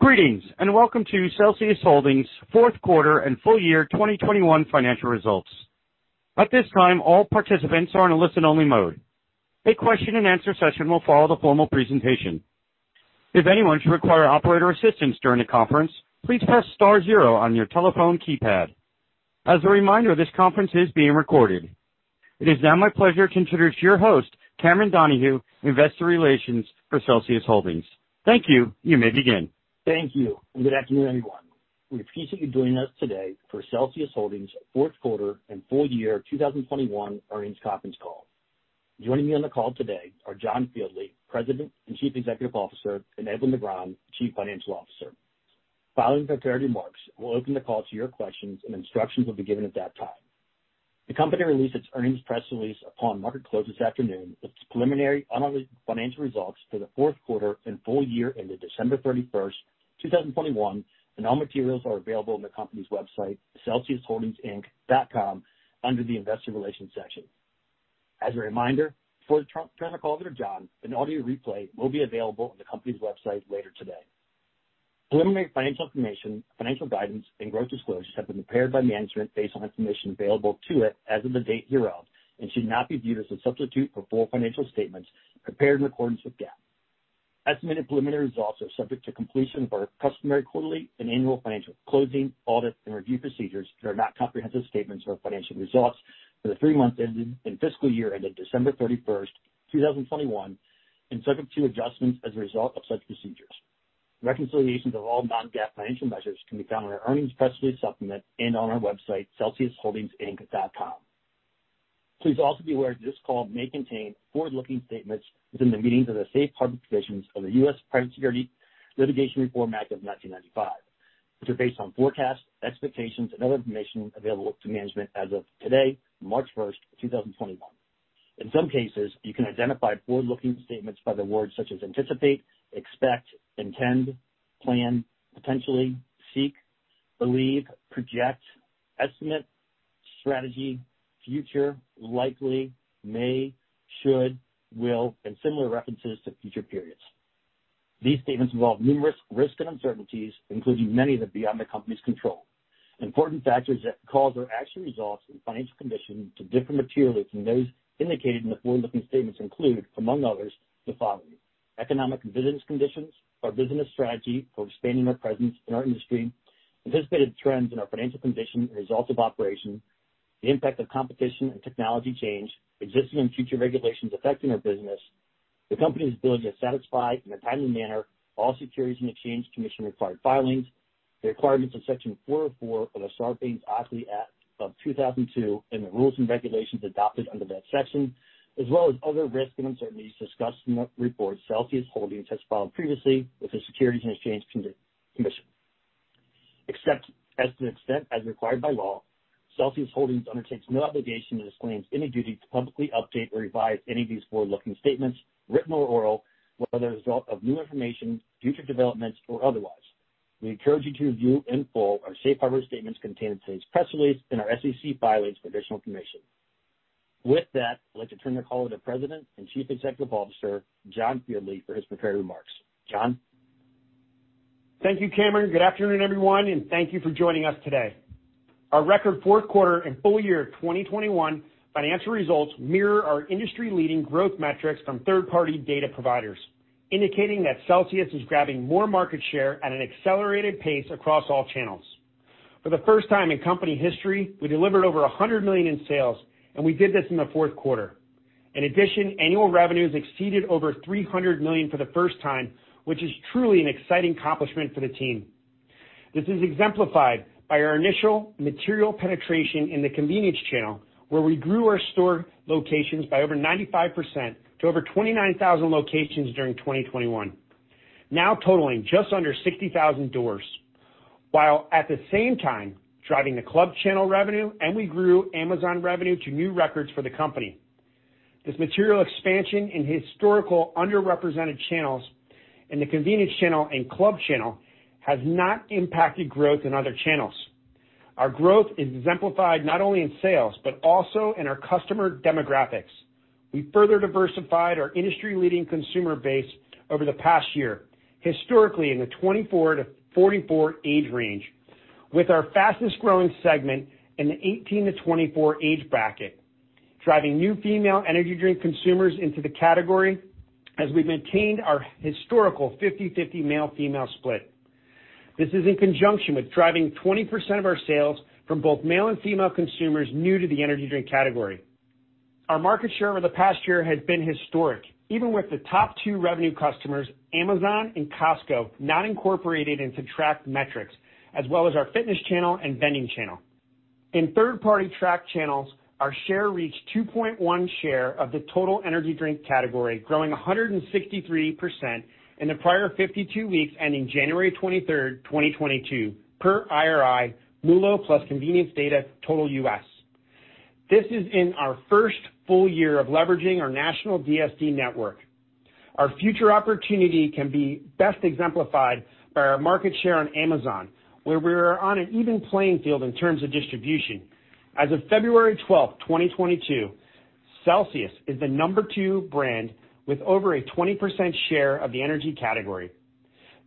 Greetings, welcome to Celsius Holdings' Fourth Quarter and Full Year 2021 Financial Results. At this time, all participants are in a listen-only mode. A question and answer session will follow the formal presentation. If anyone should require operator assistance during the conference, please press star zero on your telephone keypad. As a reminder, this conference is being recorded. It is now my pleasure to introduce your host, Cameron Donahue, Investor Relations for Celsius Holdings. Thank you. You may begin. Thank you, and good afternoon, everyone. We appreciate you joining us today for Celsius Holdings' fourth quarter and full year 2021 earnings conference call. Joining me on the call today are John Fieldly, President and Chief Executive Officer, and Edwin Negrón, Chief Financial Officer. Following the prepared remarks, we'll open the call to your questions, and instructions will be given at that time. The Company released its earnings press release upon market close this afternoon with its preliminary unaudited financial results for the fourth quarter and full year ended December 31st, 2021, and all materials are available on the Company's website, celsiusholdingsinc.com, under the Investor Relations section. As a reminder, before I turn the call over to John, an audio replay will be available on the Company's website later today. Preliminary financial information, financial guidance, and growth disclosures have been prepared by management based on information available to it as of the date hereof and should not be viewed as a substitute for full financial statements prepared in accordance with GAAP. Estimated preliminary results are subject to completion of our customary quarterly and annual financial closing, audit, and review procedures that are not comprehensive statements of our financial results for the three months ended and fiscal year ended December 31st, 2021, and subject to adjustments as a result of such procedures. Reconciliations of all non-GAAP financial measures can be found on our earnings press release supplement and on our website, celsiusholdingsinc.com. Please also be aware this call may contain forward-looking statements within the meanings of the Safe Harbor Provisions of the U.S. Private Securities Litigation Reform Act of 1995, which are based on forecasts, expectations, and other information available to management as of today, March 1st, 2021. In some cases, you can identify forward-looking statements by the words such as anticipate, expect, intend, plan, potentially, seek, believe, project, estimate, strategy, future, likely, may, should, will, and similar references to future periods. These statements involve numerous risks and uncertainties, including many that are beyond the Company's control. Important factors that cause our actual results and financial condition to differ materially from those indicated in the forward-looking statements include, among others, economic and business conditions, our business strategy for expanding our presence in our industry, anticipated trends in our financial condition and results of operations, the impact of competition and technology change, existing and future regulations affecting our business, the Company's ability to satisfy in a timely manner all Securities and Exchange Commission required filings, the requirements of Section 404 of the Sarbanes-Oxley Act of 2002, and the rules and regulations adopted under that section, as well as other risks and uncertainties discussed in the reports Celsius Holdings has filed previously with the Securities and Exchange Commission. Except as to the extent as required by law, Celsius Holdings undertakes no obligation and disclaims any duty to publicly update or revise any of these forward-looking statements, written or oral, whether as a result of new information, future developments, or otherwise. We encourage you to review in full our Safe Harbor statements contained in today's press release and our SEC filings for additional information. With that, I'd like to turn the call to President and Chief Executive Officer, John Fieldly, for his prepared remarks. John? Thank you, Cameron. Good afternoon, everyone, and thank you for joining us today. Our record fourth quarter and full year 2021 financial results mirror our industry-leading growth metrics from third-party data providers, indicating that Celsius is grabbing more market share at an accelerated pace across all channels. For the first time in Company history, we delivered over $100 million in sales, and we did this in the fourth quarter. In addition, annual revenues exceeded $300 million for the first time, which is truly an exciting accomplishment for the team. This is exemplified by our initial material penetration in the convenience channel, where we grew our store locations by over 95% to over 29,000 locations during 2021, now totaling just under 60,000 doors, while at the same time driving the club channel revenue, and we grew Amazon revenue to new records for the Company. This material expansion in historical underrepresented channels in the convenience channel and club channel has not impacted growth in other channels. Our growth is exemplified not only in sales, but also in our customer demographics. We further diversified our industry-leading consumer base over the past year, historically in the 24-44 age range, with our fastest growing segment in the 18-24 age bracket, driving new female energy drink consumers into the category as we've maintained our historical 50/50 male/female split. This is in conjunction with driving 20% of our sales from both male and female consumers new to the energy drink category. Our market share over the past year has been historic, even with the top two revenue customers, Amazon and Costco, not incorporated into tracked metrics, as well as our fitness channel and vending channel. In third-party tracked channels, our share reached 2.1% share of the total energy drink category, growing 163% in the prior 52 weeks, ending January 23rd, 2022, per IRI, MULO+ convenience data, total U.S. This is in our first full year of leveraging our national DSD network. Our future opportunity can be best exemplified by our market share on Amazon, where we are on an even playing field in terms of distribution. As of February 12th, 2022, Celsius is the number two brand with over a 20% share of the energy category.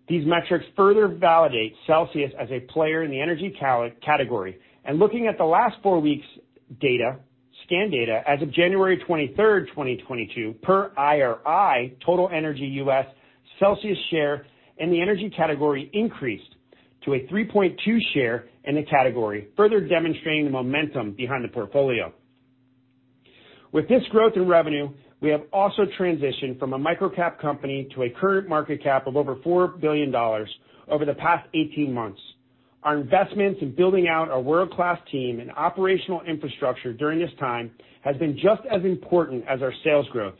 These metrics further validate Celsius as a player in the energy category. Looking at the last four weeks data, scan data, as of January 23rd, 2022, per IRI, total energy U.S. Celsius share in the energy category increased to a 3.2% share in the category, further demonstrating the momentum behind the portfolio. With this growth in revenue, we have also transitioned from a micro-cap company to a current market cap of over $4 billion over the past 18 months. Our investments in building out a world-class team and operational infrastructure during this time has been just as important as our sales growth.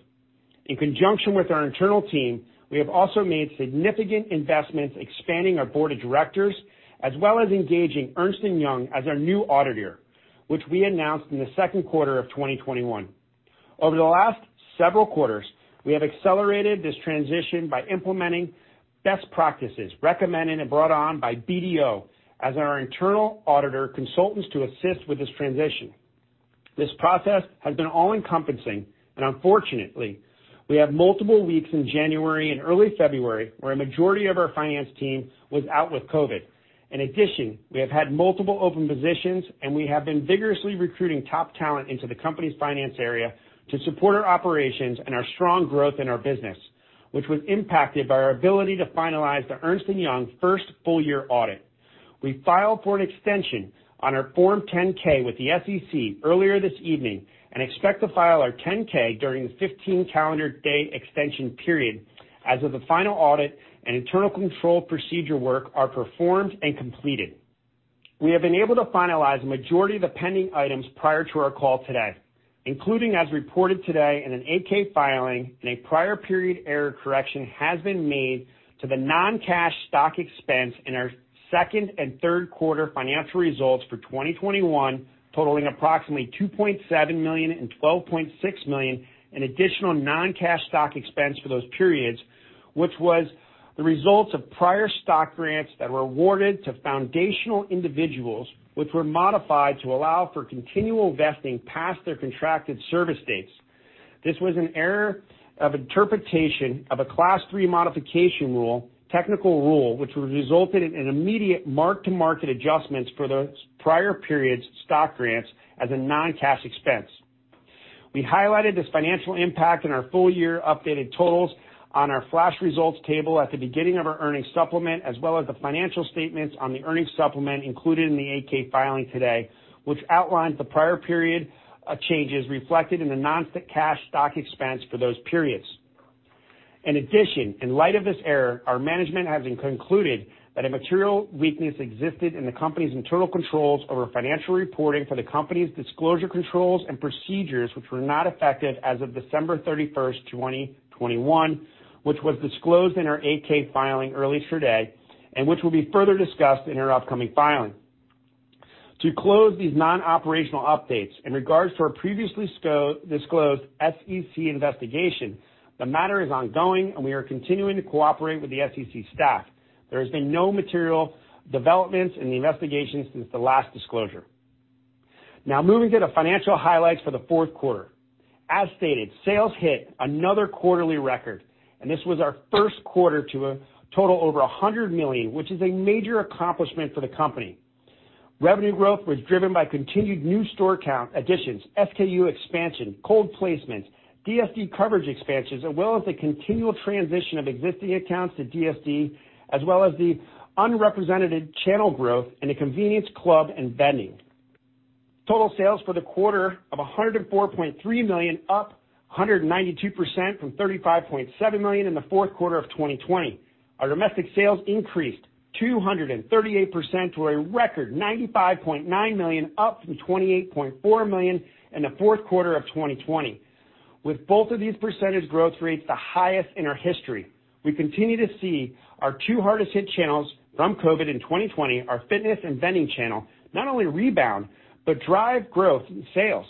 In conjunction with our internal team, we have also made significant investments expanding our Board of Directors, as well as engaging Ernst & Young as our new auditor, which we announced in the second quarter of 2021. Over the last several quarters, we have accelerated this transition by implementing best practices recommended and brought on by BDO as our internal auditor consultants to assist with this transition. This process has been all-encompassing, and unfortunately, we have multiple weeks in January and early February where a majority of our finance team was out with COVID. In addition, we have had multiple open positions, and we have been vigorously recruiting top talent into the Company's finance area to support our operations and our strong growth in our business, which was impacted by our ability to finalize the Ernst & Young first full year audit. We filed for an extension on our Form 10-K with the SEC earlier this evening and expect to file our 10-K during the 15-calendar-day extension period as the final audit and internal control procedure work are performed and completed. We have been able to finalize a majority of the pending items prior to our call today, including as reported today in an 8-K filing, and a prior period error correction has been made to the non-cash stock expense in our second and third quarter financial results for 2021, totaling approximately $2.7 million and $12.6 million in additional non-cash stock expense for those periods, which was the results of prior stock grants that were awarded to foundational individuals, which were modified to allow for continual vesting past their contracted service dates. This was an error of interpretation of a Class III modification rule, technical rule, which would resulted in an immediate mark-to-market adjustments for those prior periods stock grants as a non-cash expense. We highlighted this financial impact in our full year updated totals on our flash results table at the beginning of our earnings supplement, as well as the financial statements on the earnings supplement included in the 8-K filing today, which outlines the prior period, changes reflected in the non-cash stock expense for those periods. In addition, in light of this error, our management has concluded that a material weakness existed in the Company's internal controls over financial reporting for the Company's disclosure controls and procedures which were not effective as of December 31st, 2021, which was disclosed in our 8-K filing earlier today, and which will be further discussed in our upcoming filing. To close these non-operational updates, in regards to our previously disclosed SEC investigation, the matter is ongoing, and we are continuing to cooperate with the SEC staff. There has been no material developments in the investigation since the last disclosure. Now moving to the financial highlights for the fourth quarter. As stated, sales hit another quarterly record, and this was our first quarter to a total over $100 million, which is a major accomplishment for the Company. Revenue growth was driven by continued new store count additions, SKU expansion, cold placement, DSD coverage expansions, as well as the continual transition of existing accounts to DSD, as well as the unrepresented channel growth in the convenience club and vending. Total sales for the quarter of $104.3 million, up 192% from $35.7 million in the fourth quarter of 2020. Our domestic sales increased 238% to a record $95.9 million, up from $28.4 million in the fourth quarter of 2020. With both of these percentage growth rates the highest in our history, we continue to see our two hardest hit channels from COVID in 2020, our fitness and vending channel, not only rebound, but drive growth in sales.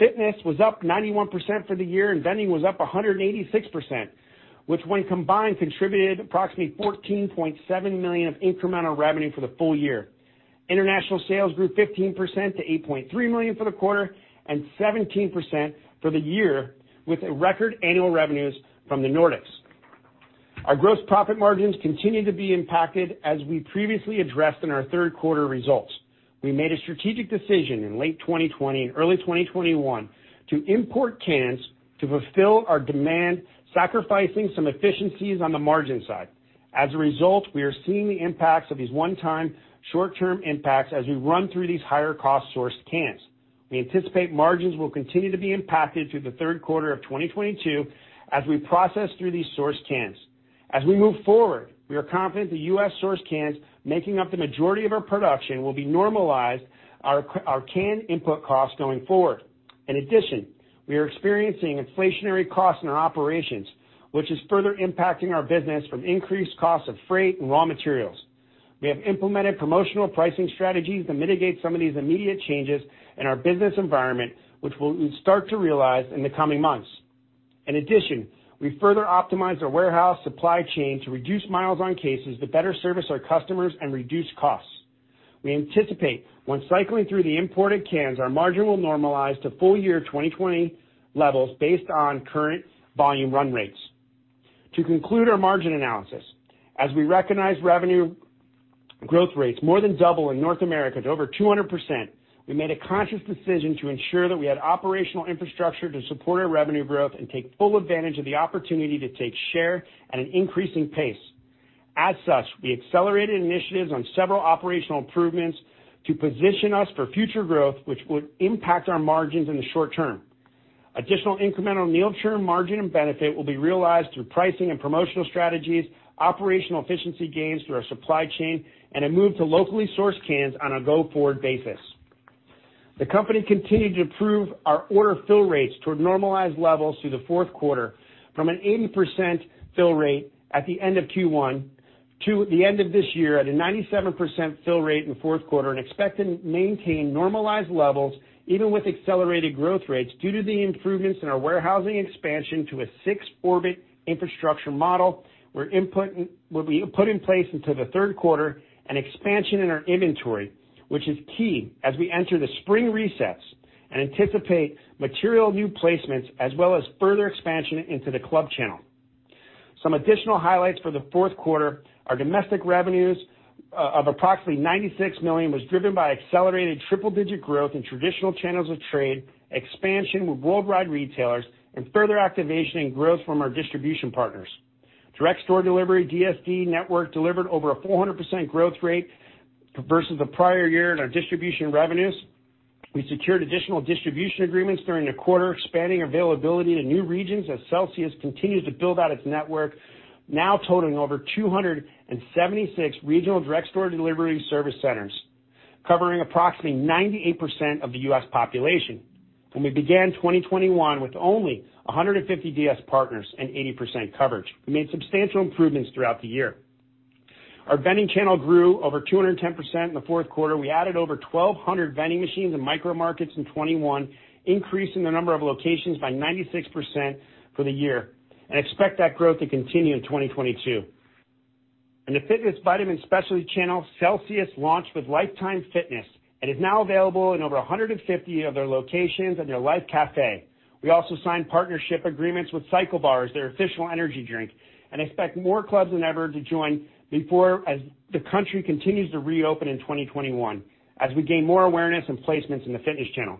Fitness was up 91% for the year, and vending was up 186%, which when combined, contributed approximately $14.7 million of incremental revenue for the full year. International sales grew 15% to $8.3 million for the quarter and 17% for the year with a record annual revenues from the Nordics. Our gross profit margins continued to be impacted as we previously addressed in our third quarter results. We made a strategic decision in late 2020 and early 2021 to import cans to fulfill our demand, sacrificing some efficiencies on the margin side. As a result, we are seeing the impacts of these one-time short-term impacts as we run through these higher cost sourced cans. We anticipate margins will continue to be impacted through the third quarter of 2022 as we process through these sourced cans. As we move forward, we are confident the U.S. sourced cans making up the majority of our production will be normalized our can input costs going forward. In addition, we are experiencing inflationary costs in our operations, which is further impacting our business from increased costs of freight and raw materials. We have implemented promotional pricing strategies to mitigate some of these immediate changes in our business environment, which we'll start to realize in the coming months. In addition, we further optimized our warehouse supply chain to reduce miles on cases to better service our customers and reduce costs. We anticipate when cycling through the imported cans, our margin will normalize to full year 2020 levels based on current volume run rates. To conclude our margin analysis, as we recognize revenue growth rates more than double in North America to over 200%, we made a conscious decision to ensure that we had operational infrastructure to support our revenue growth and take full advantage of the opportunity to take share at an increasing pace. As such, we accelerated initiatives on several operational improvements to position us for future growth, which would impact our margins in the short term. Additional incremental near-term margin and benefit will be realized through pricing and promotional strategies, operational efficiency gains through our supply chain, and a move to locally sourced cans on a go-forward basis. The Company continued to improve our order fill rates toward normalized levels through the fourth quarter, from an 80% fill rate at the end of Q1 to the end of this year at a 97% fill rate in fourth quarter, and expect to maintain normalized levels even with accelerated growth rates due to the improvements in our warehousing expansion to a six-orbit infrastructure model will be put in place into the third quarter, an expansion in our inventory, which is key as we enter the spring resets and anticipate material new placements as well as further expansion into the club channel. Some additional highlights for the fourth quarter, our domestic revenues of approximately $96 million was driven by accelerated triple-digit growth in traditional channels of trade, expansion with worldwide retailers and further activation and growth from our distribution partners. Direct Store Delivery, DSD Network, delivered over a 400% growth rate versus the prior year in our distribution revenues. We secured additional distribution agreements during the quarter, expanding availability to new regions as Celsius continues to build out its network, now totaling over 276 regional direct store delivery service centers, covering approximately 98% of the U.S. population. When we began 2021 with only 150 DS partners and 80% coverage, we made substantial improvements throughout the year. Our vending channel grew over 210% in the fourth quarter. We added over 1,200 vending machines and micro markets in 2021, increasing the number of locations by 96% for the year, and expect that growth to continue in 2022. In the fitness vitamin specialty channel, Celsius launched with Life Time Fitness and is now available in over 150 of their locations and their LifeCafe. We also signed partnership agreements with CycleBar as their official energy drink, and expect more clubs than ever to join us as the country continues to reopen in 2021, as we gain more awareness and placements in the fitness channel.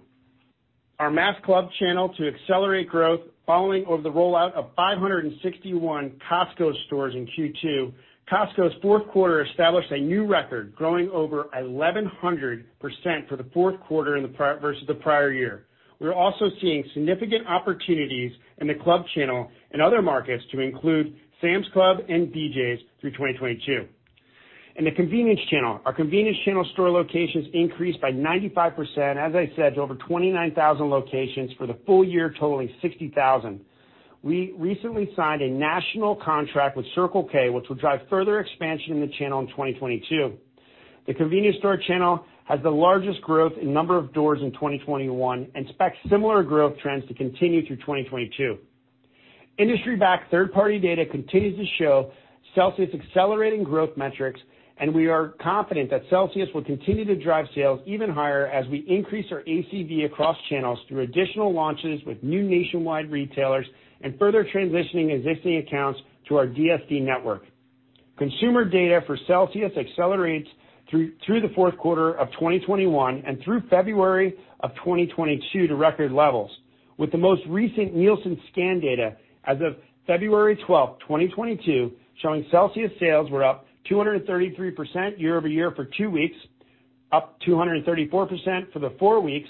Our mass club channel to accelerate growth following the rollout of 561 Costco stores in Q2. Costco's fourth quarter established a new record, growing over 1,100% for the fourth quarter versus the prior year. We're also seeing significant opportunities in the club channel in other markets to include Sam's Club and BJ's through 2022. In the convenience channel, our convenience channel store locations increased by 95%, as I said, to over 29,000 locations for the full year, totaling 60,000. We recently signed a national contract with Circle K, which will drive further expansion in the channel in 2022. The convenience store channel has the largest growth in number of doors in 2021 and expects similar growth trends to continue through 2022. Industry-backed third-party data continues to show Celsius accelerating growth metrics, and we are confident that Celsius will continue to drive sales even higher as we increase our ACV across channels through additional launches with new nationwide retailers and further transitioning existing accounts to our DSD network. Consumer data for Celsius accelerates through the fourth quarter of 2021 and through February of 2022 to record levels, with the most recent Nielsen scan data as of February 12th, 2022, showing Celsius sales were up 233% year-over-year for two weeks, up 234% for the four weeks,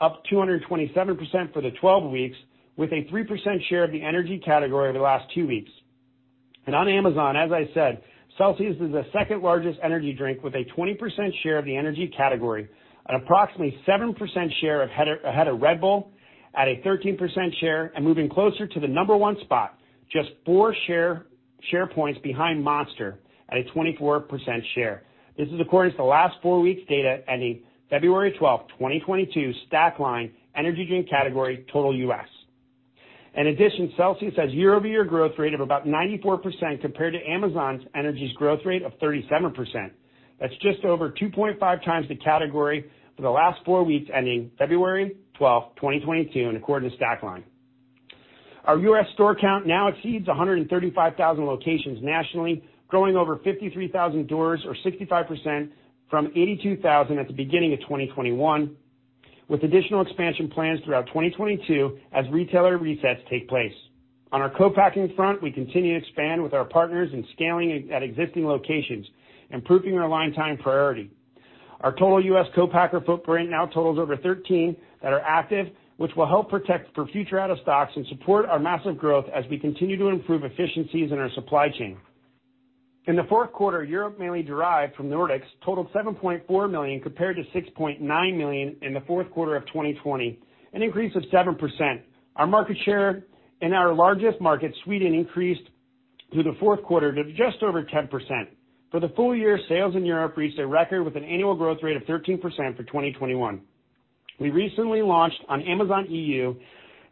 up 227% for the twelve weeks, with a 3% share of the energy category over the last two weeks. On Amazon, as I said, Celsius is the second largest energy drink with a 20% share of the energy category, an approximately 7% share ahead of Red Bull at a 13% share, and moving closer to the number one spot, just four share points behind Monster at a 24% share. This is according to the last four weeks data ending February 12th, 2022, Stackline Energy Drink Category, Total U.S. In addition, Celsius has year-over-year growth rate of about 94% compared to Amazon's energy growth rate of 37%. That's just over 2.5x the category for the last four-week ending February 12th, 2022, and according to Stackline. Our U.S. store count now exceeds 135,000 locations nationally, growing over 53,000 doors or 65% from 82,000 at the beginning of 2021, with additional expansion plans throughout 2022 as retailer resets take place. On our co-packing front, we continue to expand with our partners in scaling efficiency at existing locations, improving our lead time priority. Our total U.S. co-packer footprint now totals over 13 that are active, which will help protect for future out-of-stocks and support our massive growth as we continue to improve efficiencies in our supply chain. In the fourth quarter, Europe mainly derived from Nordics totaled $7.4 million compared to $6.9 million in the fourth quarter of 2020, an increase of 7%. Our market share in our largest market, Sweden, increased through the fourth quarter to just over 10%. For the full year, sales in Europe reached a record with an annual growth rate of 13% for 2021. We recently launched on Amazon EU.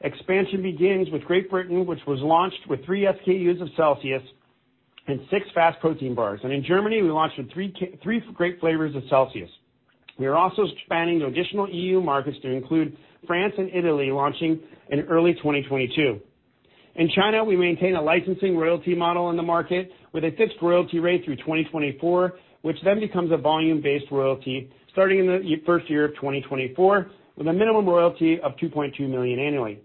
Expansion begins with Great Britain, which was launched with three SKUs of Celsius and six FAST protein bars. In Germany, we launched with three great flavors of Celsius. We are also expanding to additional E.U. markets to include France and Italy, launching in early 2022. In China, we maintain a licensing royalty model in the market with a fixed royalty rate through 2024, which then becomes a volume-based royalty starting in the first year of 2024, with a minimum royalty of $2.2 million annually.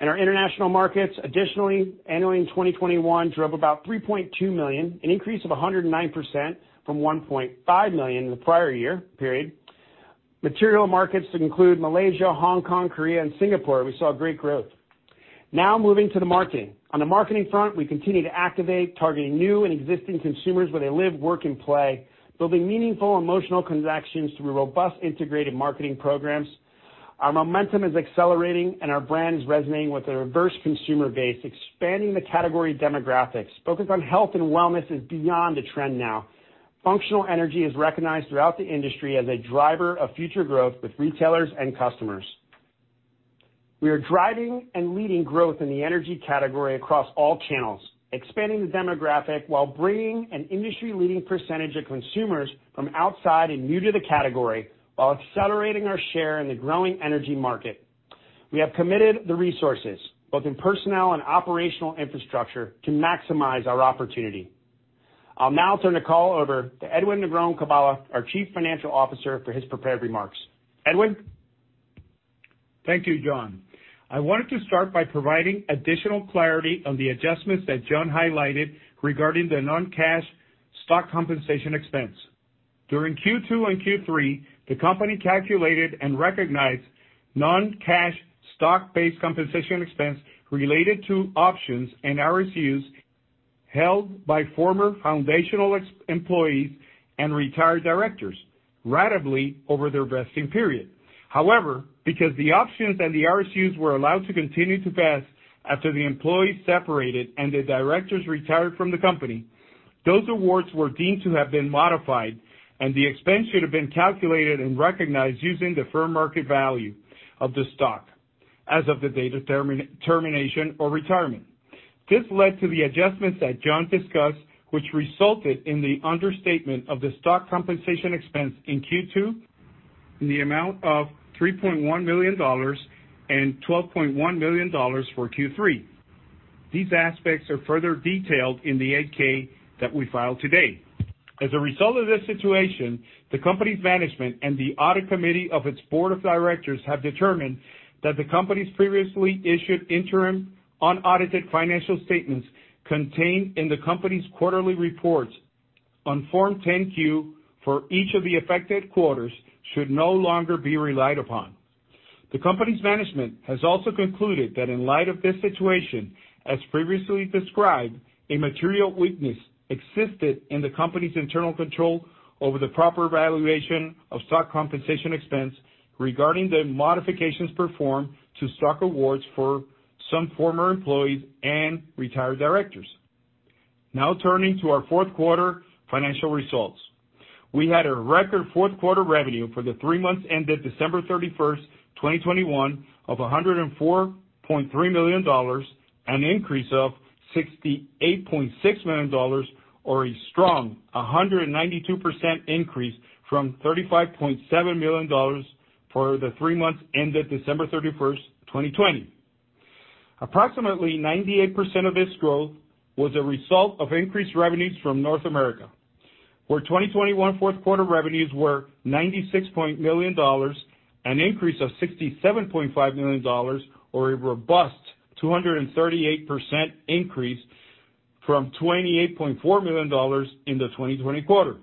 In our international markets, additionally, annually in 2021 drove about $3.2 million, an increase of 109% from $1.5 million in the prior-year period. Material markets to include Malaysia, Hong Kong, Korea, and Singapore, we saw great growth. Now moving to the marketing. On the marketing front, we continue to activate, targeting new and existing consumers where they live, work, and play, building meaningful emotional connections through robust integrated marketing programs. Our momentum is accelerating, and our brand is resonating with a diverse consumer base, expanding the category demographics. Focus on health and wellness is beyond a trend now. Functional energy is recognized throughout the industry as a driver of future growth with retailers and customers. We are driving and leading growth in the energy category across all channels, expanding the demographic while bringing an industry-leading percentage of consumers from outside and new to the category while accelerating our share in the growing energy market. We have committed the resources, both in personnel and operational infrastructure, to maximize our opportunity. I'll now turn the call over to Edwin Negrón-Carballo, our Chief Financial Officer, for his prepared remarks. Edwin? Thank you, John. I wanted to start by providing additional clarity on the adjustments that John highlighted regarding the non-cash stock compensation expense. During Q2 and Q3, the Company calculated and recognized non-cash stock-based compensation expense related to options and RSUs held by former foundational employees and retired directors ratably over their vesting period. However, because the options and the RSUs were allowed to continue to vest after the employees separated and the directors retired from the Company, those awards were deemed to have been modified, and the expense should have been calculated and recognized using the fair market value of the stock as of the date of termination or retirement. This led to the adjustments that John discussed, which resulted in the understatement of the stock compensation expense in Q2 in the amount of $3.1 million and $12.1 million for Q3. These aspects are further detailed in the 8-K that we filed today. As a result of this situation, the Company's management and the Audit Committee of its Board of Directors have determined that the Company's previously issued interim unaudited financial statements contained in the Company's quarterly reports on Form 10-Q for each of the affected quarters should no longer be relied upon. The Company's management has also concluded that in light of this situation, as previously described, a material weakness existed in the Company's internal control over the proper valuation of stock compensation expense regarding the modifications performed to stock awards for some former employees and retired directors. Now turning to our fourth quarter financial results. We had a record fourth quarter revenue for the three months ended December 31st, 2021 of $104.3 million, an increase of $68.6 million or a strong 192% increase from $35.7 million for the three months ended December 31st, 2020. Approximately 98% of this growth was a result of increased revenues from North America, where 2021 fourth quarter revenues were $96 million, an increase of $67.5 million or a robust 238% increase from $28.4 million in the 2020 quarter.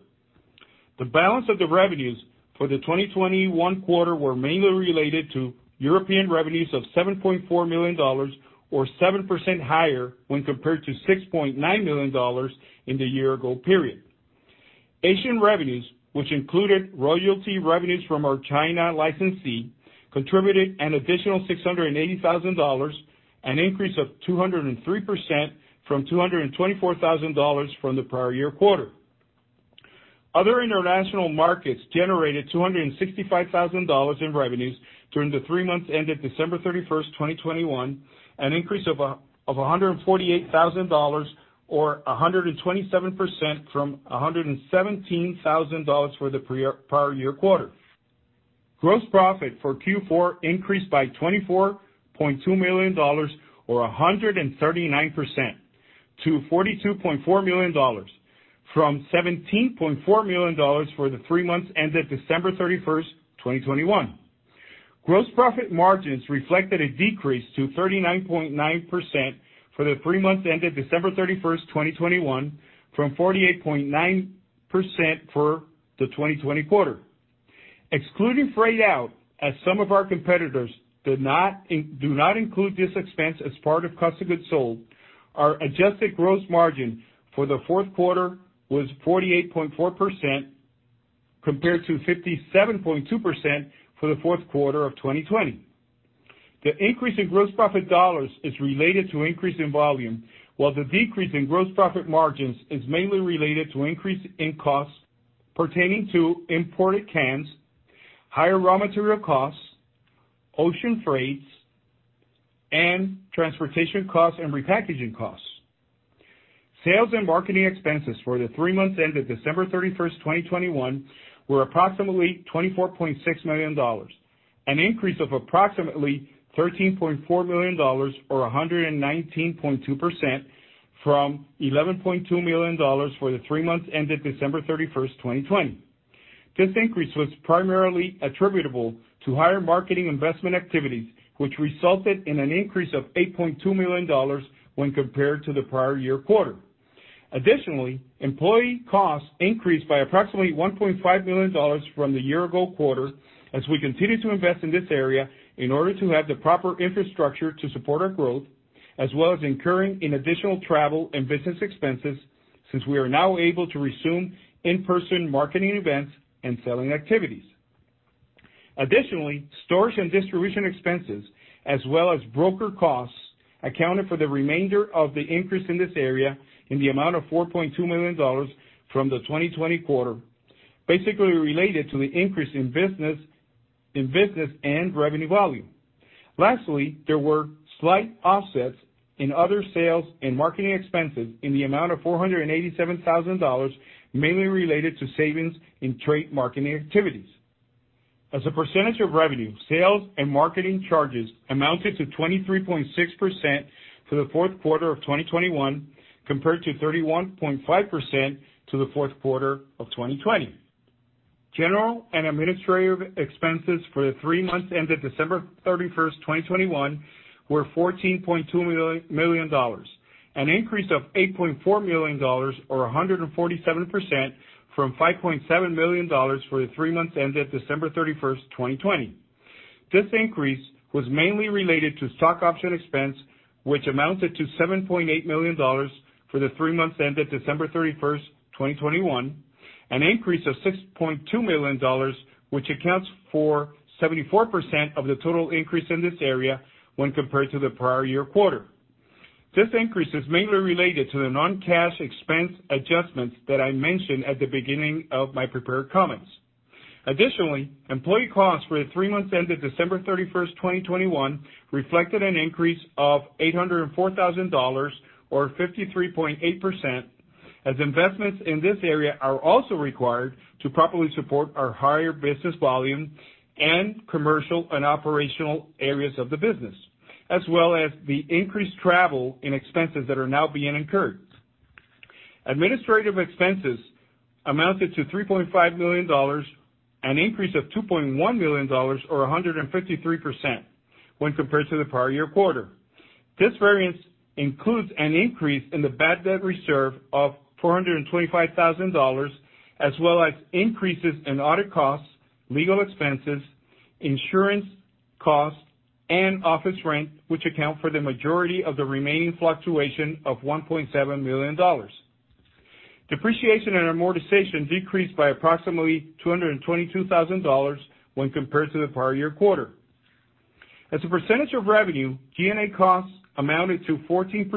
The balance of the revenues for the 2021 quarter were mainly related to European revenues of $7.4 million or 7% higher when compared to $6.9 million in the year ago period. Asian revenues, which included royalty revenues from our China licensee, contributed an additional $680,000, an increase of 203% from $224,000 from the prior-year quarter. Other international markets generated $265,000 in revenues during the three months ended December 31st, 2021, an increase of $148,000 or 127% from $117,000 for the prior-year quarter. Gross profit for Q4 increased by $24.2 million or 139% to $42.4 million from $17.4 million for the three months ended December 31st, 2021. Gross profit margins reflected a decrease to 39.9% for the three months ended December 31st, 2021, from 48.9% for the 2020 quarter. Excluding freight out, as some of our competitors do not include this expense as part of cost of goods sold, our adjusted gross margin for the fourth quarter was 48.4% compared to 57.2% for the fourth quarter of 2020. The increase in gross profit dollars is related to increase in volume, while the decrease in gross profit margins is mainly related to increase in costs pertaining to imported cans, higher raw material costs, ocean freights, and transportation costs and repackaging costs. Sales and marketing expenses for the three months ended December 31st, 2021 were approximately $24.6 million, an increase of approximately $13.4 million or 119.2% from $11.2 million for the three months ended December 31st, 2020. This increase was primarily attributable to higher marketing investment activities, which resulted in an increase of $8.2 million when compared to the prior-year quarter. Additionally, employee costs increased by approximately $1.5 million from the year ago quarter as we continue to invest in this area in order to have the proper infrastructure to support our growth, as well as incurring additional travel and business expenses since we are now able to resume in-person marketing events and selling activities. Additionally, storage and distribution expenses as well as broker costs accounted for the remainder of the increase in this area in the amount of $4.2 million from the 2020 quarter, basically related to the increase in business and revenue volume. Lastly, there were slight offsets in other sales and marketing expenses in the amount of $487,000, mainly related to savings in trade marketing activities. As a percentage of revenue, sales and marketing charges amounted to 23.6% for the fourth quarter of 2021, compared to 31.5% in the fourth quarter of 2020. General and administrative expenses for the three months ended December 31st, 2021 were $14.2 million, an increase of $8.4 million or 147% from $5.7 million for the three months ended December 31st, 2020. This increase was mainly related to stock option expense, which amounted to $7.8 million for the three months ended December 31st, 2021, an increase of $6.2 million, which accounts for 74% of the total increase in this area when compared to the prior-year quarter. This increase is mainly related to the non-cash expense adjustments that I mentioned at the beginning of my prepared comments. Additionally, employee costs for the three months ended December 31st, 2021 reflected an increase of $804,000 or 53.8%, as investments in this area are also required to properly support our higher business volume and commercial and operational areas of the business, as well as the increased travel and expenses that are now being incurred. Administrative expenses amounted to $3.5 million, an increase of $2.1 million or 153% when compared to the prior-year quarter. This variance includes an increase in the bad debt reserve of $425,000, as well as increases in audit costs, legal expenses, insurance costs, and office rent, which account for the majority of the remaining fluctuation of $1.7 million. Depreciation and amortization decreased by approximately $222,000 when compared to the prior-year quarter. As a percentage of revenue, G&A costs amounted to 14%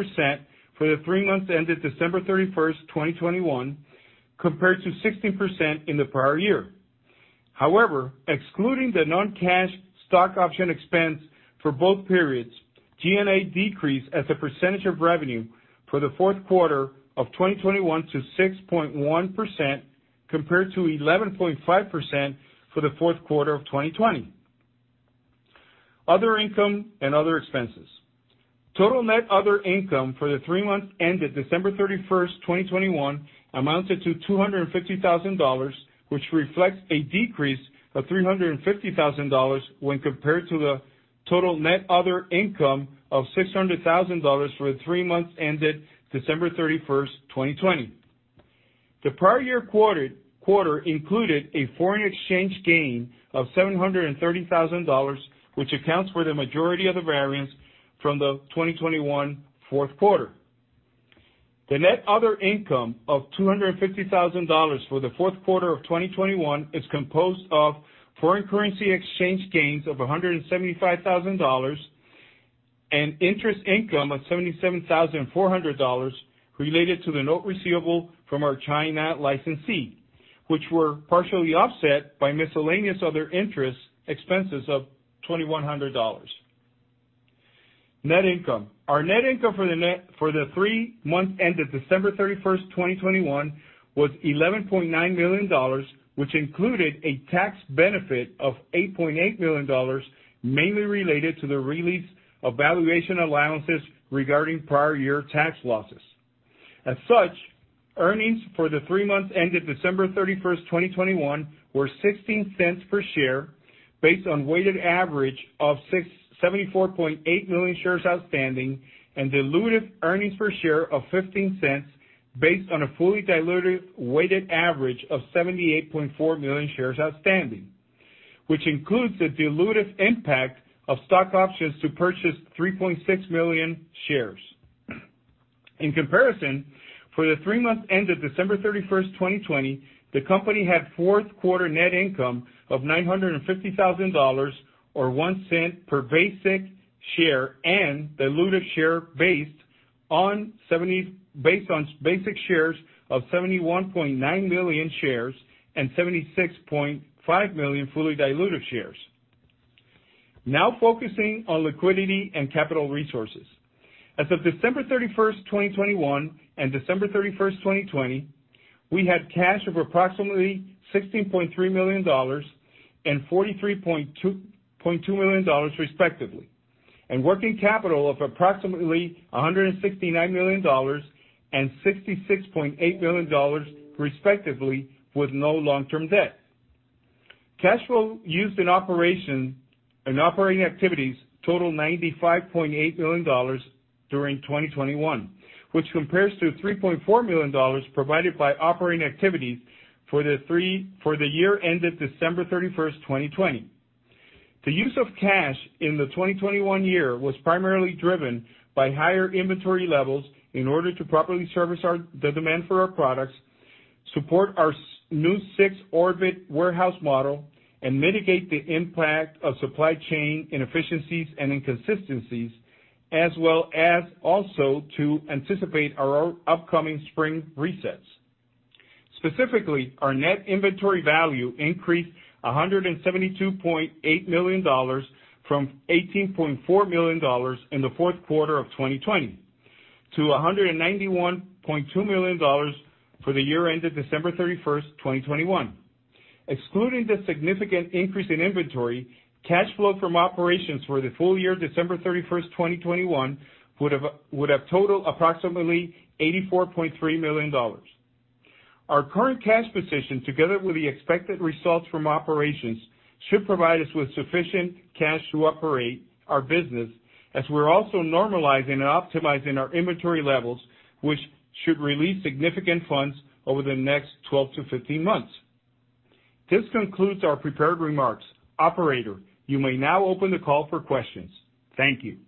for the three months ended December 31st, 2021, compared to 16% in the prior year. However, excluding the non-cash stock option expense for both periods, G&A decreased as a percentage of revenue for the fourth quarter of 2021 to 6.1% compared to 11.5% for the fourth quarter of 2020. Other income and other expenses. Total net other income for the three months ended December 31st, 2021 amounted to $250,000, which reflects a decrease of $350,000 when compared to the total net other income of $600,000 for the three months ended December 31st, 2020. The prior-year quarter included a foreign exchange gain of $730,000, which accounts for the majority of the variance from the 2021 fourth quarter. The net other income of $250,000 for the fourth quarter of 2021 is composed of foreign currency exchange gains of $175,000 and interest income of $77,400 related to the note receivable from our China licensee, which were partially offset by miscellaneous other interest expenses of $2,100. Net income. Our net income for the three months ended December 31st, 2021 was $11.9 million, which included a tax benefit of $8.8 million, mainly related to the release of valuation allowances regarding prior-year tax losses. As such, earnings for the three months ended December 31st, 2021 were $0.16 per share based on weighted average of 74.8 million shares outstanding, and dilutive earnings per share of $0.15 based on a fully dilutive weighted average of 78.4 million shares outstanding, which includes the dilutive impact of stock options to purchase 3.6 million shares. In comparison, for the three months ended December 31st, 2020, the Company had fourth quarter net income of $950,000 or $0.01 per basic share and diluted share based on basic shares of 71.9 million shares and 76.5 million fully diluted shares. Now focusing on liquidity and capital resources. As of December 31st, 2021, and December 31st, 2020, we had cash of approximately $16.3 million and $43.2 million respectively, and working capital of approximately $169 million and $66.8 million respectively, with no long-term debt. Cash flow used in operating activities totaled $95.8 million during 2021, which compares to $3.4 million provided by operating activities for the year ended December 31st, 2020. The use of cash in the 2021 year was primarily driven by higher inventory levels in order to properly service the demand for our products, support our new six orbit warehouse model, and mitigate the impact of supply chain inefficiencies and inconsistencies, as well as also to anticipate our upcoming spring resets. Specifically, our net inventory value increased $172.8 million from $18.4 million in the fourth quarter of 2020 to $191.2 million for the year ended December 31st, 2021. Excluding the significant increase in inventory, cash flow from operations for the full year ended December 31st, 2021, would have totaled approximately $84.3 million. Our current cash position, together with the expected results from operations, should provide us with sufficient cash to operate our business as we're also normalizing and optimizing our inventory levels, which should release significant funds over the next 12-15 months. This concludes our prepared remarks. Operator, you may now open the call for questions. Thank you.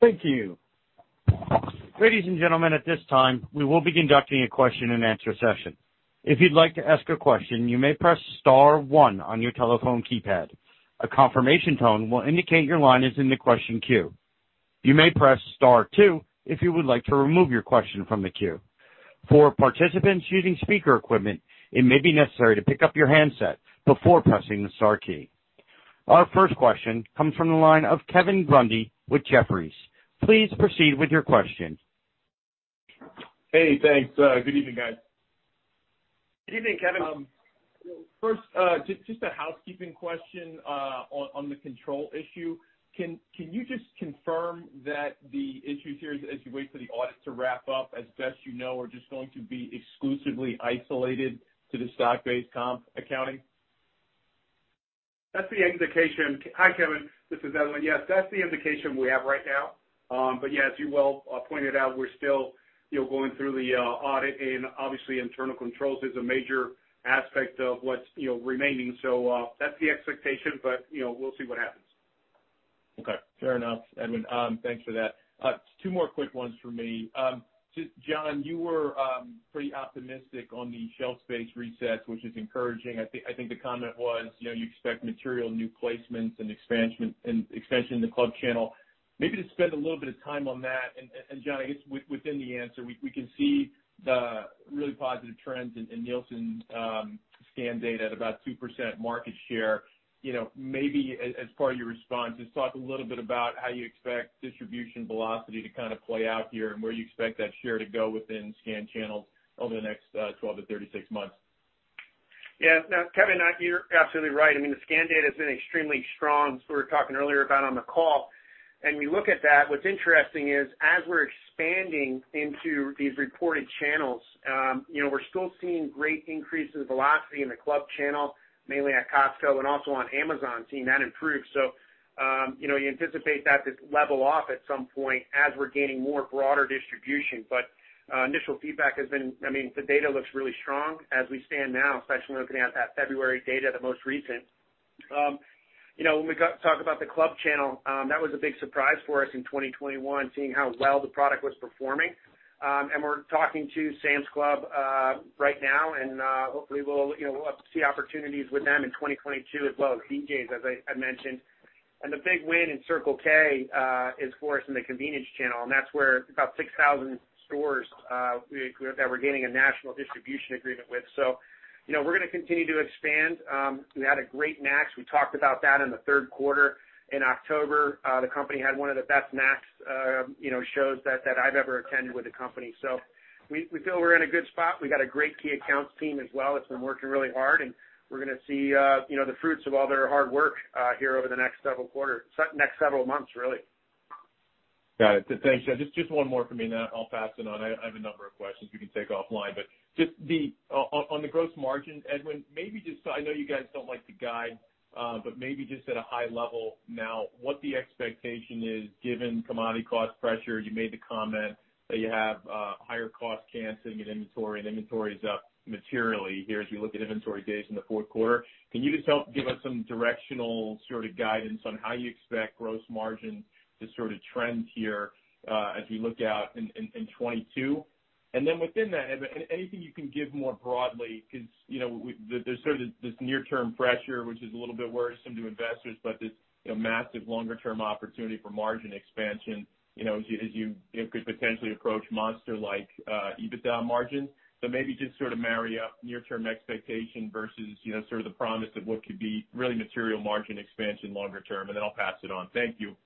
Thank you. Ladies and gentlemen, at this time, we will be conducting a question and answer session. If you'd like to ask a question, you may press star one on your telephone keypad. A confirmation tone will indicate your line is in the question queue. You may press star two if you would like to remove your question from the queue. For participants using speaker equipment, it may be necessary to pick up your handset before pressing the star key. Our first question comes from the line of Kevin Grundy with Jefferies. Please proceed with your question. Hey, thanks. Good evening, guys. Good evening, Kevin. First, just a housekeeping question on the control issue. Can you just confirm that the issues here as you wait for the audit to wrap up as best you know are just going to be exclusively isolated to the stock-based comp accounting? That's the indication. Hi, Kevin. This is Edwin. Yes, that's the indication we have right now. Yeah, as you well pointed out, we're still, you know, going through the audit and obviously internal controls is a major aspect of what's, you know, remaining. That's the expectation, but, you know, we'll see what happens. Okay. Fair enough, Edwin. Thanks for that. Two more quick ones from me. Just John, you were pretty optimistic on the shelf space resets, which is encouraging. I think the comment was, you know, you expect material new placements and expansion in the club channel. Maybe just spend a little bit of time on that. John, I guess within the answer, we can see the really positive trends in Nielsen scan data at about 2% market share. You know, maybe as part of your response, just talk a little bit about how you expect distribution velocity to kind of play out here and where you expect that share to go within scan channels over the next 12-36 months. Yeah. No, Kevin, you're absolutely right. I mean, the scan data's been extremely strong, as we were talking earlier about on the call. You look at that, what's interesting is as we're expanding into these reported channels, you know, we're still seeing great increases in velocity in the club channel, mainly at Costco and also on Amazon, seeing that improve. You anticipate that to level off at some point as we're gaining broader distribution. Initial feedback has been, I mean, the data looks really strong as it stands now, especially looking at that February data, the most recent. You know, when we go talk about the club channel, that was a big surprise for us in 2021, seeing how well the product was performing. We're talking to Sam's Club right now, and hopefully we'll, you know, we'll have to see opportunities with them in 2022 as well as BJ's, as I mentioned. The big win in Circle K is for us in the convenience channel, and that's where about 6,000 stores that we're gaining a national distribution agreement with. You know, we're gonna continue to expand. We had a great NACS. We talked about that in the third quarter. In October, the Company had one of the best NACS shows that I've ever attended with the Company. So we feel we're in a good spot. We got a great key accounts team as well that's been working really hard, and we're gonna see, you know, the fruits of all their hard work here over the next several months, really. Got it. Thanks, John. Just one more for me, and then I'll pass it on. I have a number of questions you can take offline. Just on the gross margin, Edwin. Maybe just, I know you guys don't like to guide, but maybe just at a high level now what the expectation is given commodity cost pressure. You made the comment that you have higher cost cans sitting in inventory, and inventory is up materially here as you look at inventory days in the fourth quarter. Can you just help give us some directional sort of guidance on how you expect gross margin to sort of trend here, as we look out in 2022? Within that, Ed, anything you can give more broadly? Because, you know, there's sort of this near-term pressure, which is a little bit worrisome to investors. But this, you know, massive longer term opportunity for margin expansion, you know, as you could potentially approach Monster-like EBITDA margins. Maybe just sort of marry up near-term expectation versus, you know, sort of the promise of what could be really material margin expansion longer term, and then I'll pass it on. Thank you.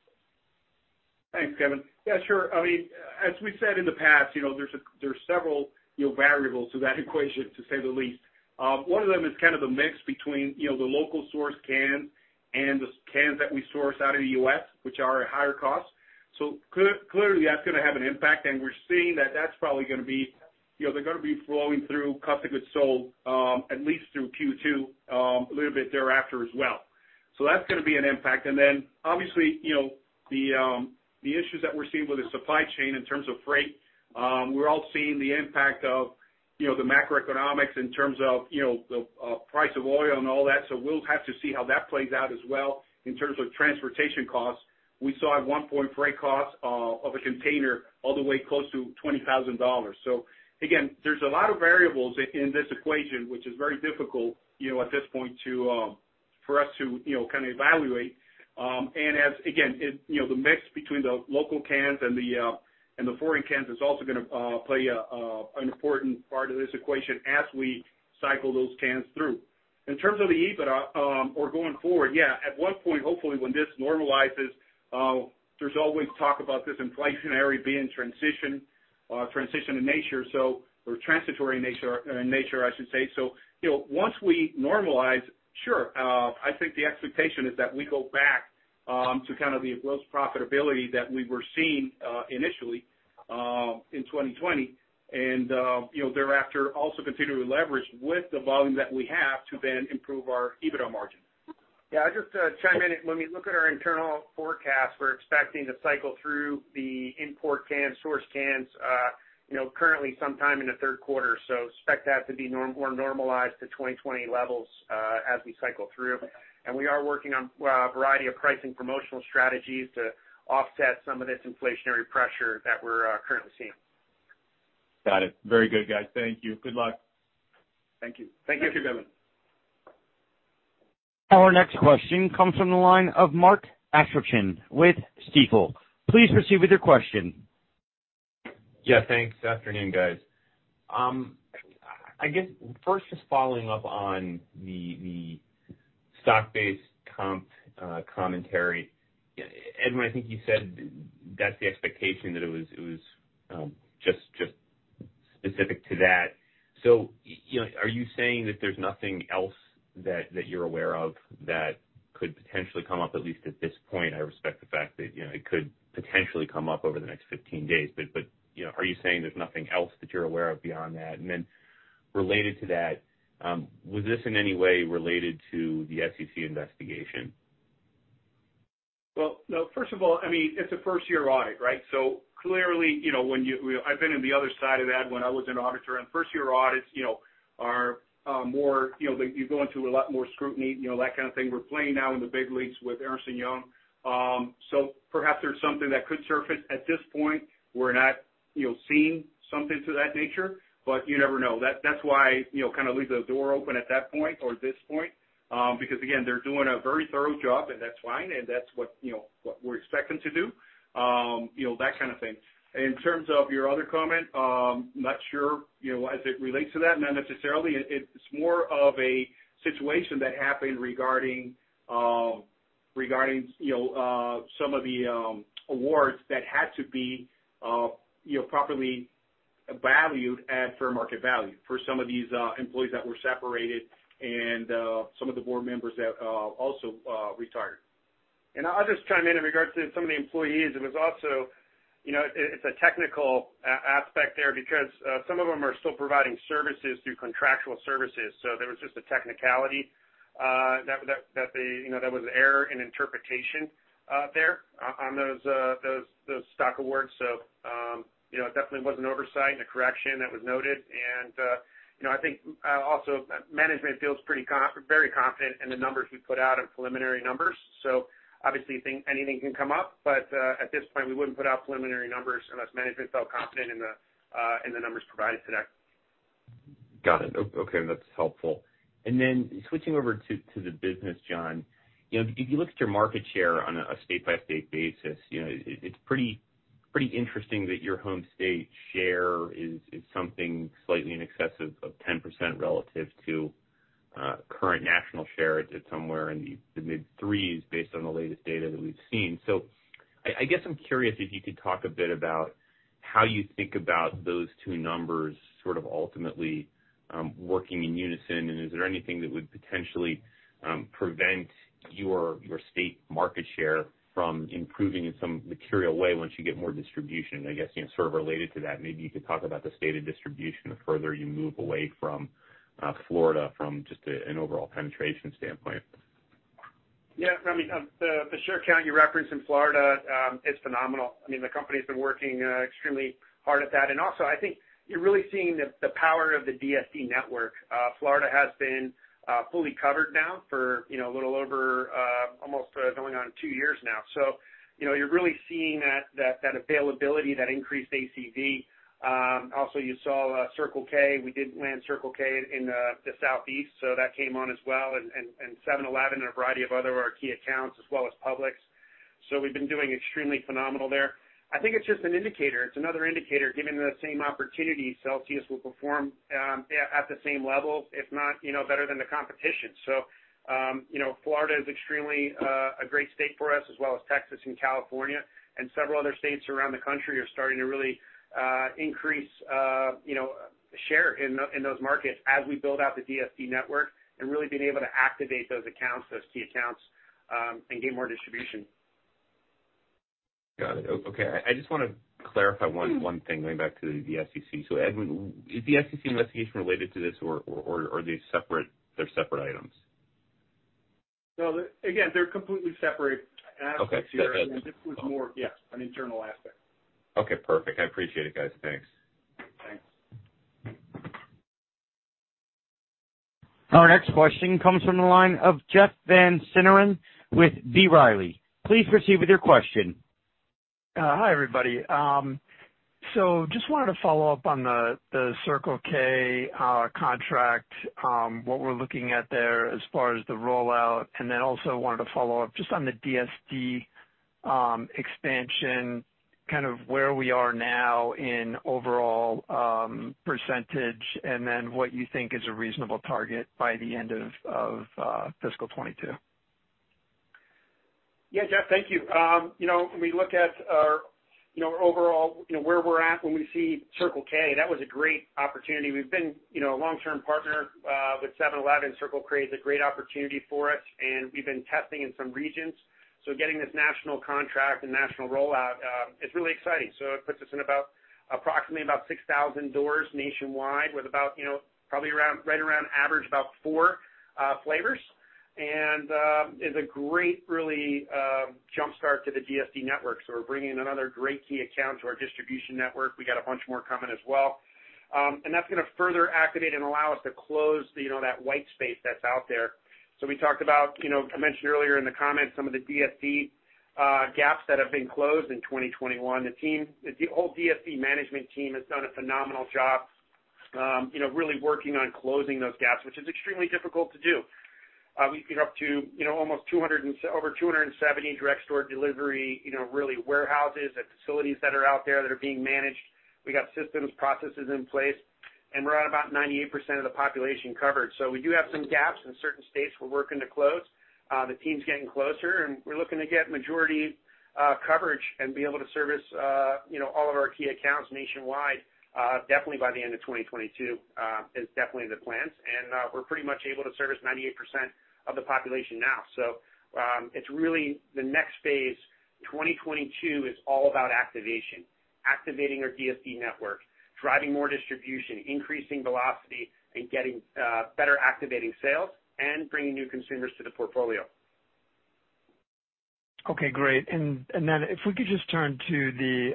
Thanks, Kevin. Yeah, sure. I mean, as we said in the past, you know, there's several, you know, variables to that equation to say the least. One of them is kind of the mix between, you know, the local sourced can and the cans that we source out of the U.S., which are at higher cost. Clearly, that's gonna have an impact, and we're seeing that that's probably gonna be, you know, they're gonna be flowing through cost of goods sold at least through Q2, a little bit thereafter as well. That's gonna be an impact. Then obviously, you know, the issues that we're seeing with the supply chain in terms of freight, we're all seeing the impact of, you know, the macroeconomics in terms of, you know, the price of oil and all that. We'll have to see how that plays out as well. In terms of transportation costs, we saw at one point freight costs of a container all the way close to $20,000. Again, there's a lot of variables in this equation, which is very difficult, you know, at this point to for us to, you know, kind of evaluate. And as, again, it, you know, the mix between the local cans and the foreign cans is also gonna play an important part of this equation as we cycle those cans through. In terms of the EBITDA or going forward, yeah, at one point, hopefully when this normalizes, there's always talk about this inflationary being transition in nature, or transitory in nature, I should say. You know, once we normalize, sure, I think the expectation is that we go back to kind of the gross profitability that we were seeing initially in 2020 and, you know, thereafter also continue to leverage with the volume that we have to then improve our EBITDA margin. Yeah, I'll just chime in. When we look at our internal forecast, we're expecting to cycle through the import cans, sourced cans, you know, currently sometime in the third quarter. Expect that to be normalized to 2020 levels as we cycle through. We are working on a variety of pricing promotional strategies to offset some of this inflationary pressure that we're currently seeing. Got it. Very good, guys. Thank you. Good luck. Thank you. Thank you, Kevin. Our next question comes from the line of Mark Astrachan with Stifel. Please proceed with your question. Yeah, thanks. Afternoon, guys. I guess first, just following up on the stock-based comp commentary. Ed, I think you said that's the expectation, that it was just specific to that. You know, are you saying that there's nothing else that you're aware of that could potentially come up at least at this point? I respect the fact that, you know, it could potentially come up over the next 15 days. You know, are you saying there's nothing else that you're aware of beyond that? Then related to that, was this in any way related to the SEC investigation? Well, no. First of all, I mean, it's a first-year audit, right? Clearly, you know, when I've been on the other side of that when I was an auditor, and first-year audits, you know, are more, you know, they go into a lot more scrutiny, you know, that kind of thing. We're playing now in the big leagues with Ernst & Young. Perhaps there's something that could surface. At this point, we're not, you know, seeing something to that nature, but you never know. That's why, you know, kind of leave the door open at that point or this point, because again, they're doing a very thorough job, and that's fine, and that's what, you know, what we expect them to do, you know, that kind of thing. In terms of your other comment, not sure, you know, as it relates to that, not necessarily. It's more of a situation that happened regarding, you know, some of the awards that had to be, you know, properly valued at fair market value for some of these employees that were separated and some of the Board members that also retired. I'll just chime in in regards to some of the employees. It was also, you know, it's a technical aspect there because some of them are still providing services through contractual services. There was just a technicality that they, you know, there was error in interpretation there on those stock awards. You know, it definitely was an oversight and a correction that was noted. I think also management feels very confident in the numbers we put out and preliminary numbers. Obviously you think anything can come up, but at this point, we wouldn't put out preliminary numbers unless management felt confident in the numbers provided today. Got it. Okay, that's helpful. Switching over to the business, John. You know, if you look at your market share on a state-by-state basis, you know, it's pretty interesting that your home state share is something slightly in excess of 10% relative to current national share. It's at somewhere in the mid-3s based on the latest data that we've seen. I guess I'm curious if you could talk a bit about how you think about those two numbers sort of ultimately working in unison, and is there anything that would potentially prevent your state market share from improving in some material way once you get more distribution? I guess, you know, sort of related to that, maybe you could talk about the state of distribution the further you move away from Florida from just an overall penetration standpoint. Yeah. I mean, the share count you referenced in Florida is phenomenal. I mean, the Company's been working extremely hard at that. Also, I think you're really seeing the power of the DSD network. Florida has been fully covered now for, you know, a little over almost going on two years now. You know, you're really seeing that availability, that increased ACV. Also, you saw Circle K. We did land Circle K in the southeast, so that came on as well, and 7-Eleven and a variety of other of our key accounts as well as Publix. We've been doing extremely phenomenal there. I think it's just an indicator. It's another indicator, given the same opportunity, Celsius will perform at the same level, if not, you know, better than the competition. Florida is extremely a great state for us, as well as Texas and California, and several other states around the country are starting to really increase you know share in those markets as we build out the DSD network and really being able to activate those accounts, those key accounts, and gain more distribution. Got it. Okay, I just wanna clarify one thing going back to the SEC. So Edwin, is the SEC investigation related to this or are they separate? They're separate items? No. Again, they're completely separate. Okay. This was more, yeah, an internal aspect. Okay, perfect. I appreciate it, guys. Thanks. Our next question comes from the line of Jeff Van Sinderen with B. Riley. Please proceed with your question. Hi, everybody. Just wanted to follow up on the Circle K contract what we're looking at there as far as the rollout. Then also wanted to follow up just on the DSD expansion, kind of where we are now in overall percentage, and then what you think is a reasonable target by the end of fiscal 2022. Yeah. Jeff, thank you. You know, when we look at our, you know, overall, you know, where we're at when we see Circle K, that was a great opportunity. We've been, you know, a long-term partner with 7-Eleven. Circle K is a great opportunity for us, and we've been testing in some regions. Getting this national contract and national rollout is really exciting. It puts us in about, approximately 6,000 doors nationwide with about, you know, probably around, right around average about four flavors. Is really a great jump-start to the DSD network. We're bringing another great key account to our distribution network. We got a bunch more coming as well. That's gonna further activate and allow us to close, you know, that white space that's out there. We talked about, you know, I mentioned earlier in the comments some of the DSD gaps that have been closed in 2021. The team, the whole DSD management team has done a phenomenal job, you know, really working on closing those gaps, which is extremely difficult to do. We get up to, you know, over 270 direct store delivery warehouses and facilities that are out there that are being managed. We got systems, processes in place, and we're at about 98% of the population covered. We do have some gaps in certain states we're working to close. The team's getting closer, and we're looking to get majority coverage and be able to service, you know, all of our key accounts nationwide, definitely by the end of 2022, is definitely the plan. We're pretty much able to service 98% of the population now. It's really the next phase. 2022 is all about activation. Activating our DSD network, driving more distribution, increasing velocity, and getting better activating sales and bringing new consumers to the portfolio. Okay, great. Then if we could just turn to the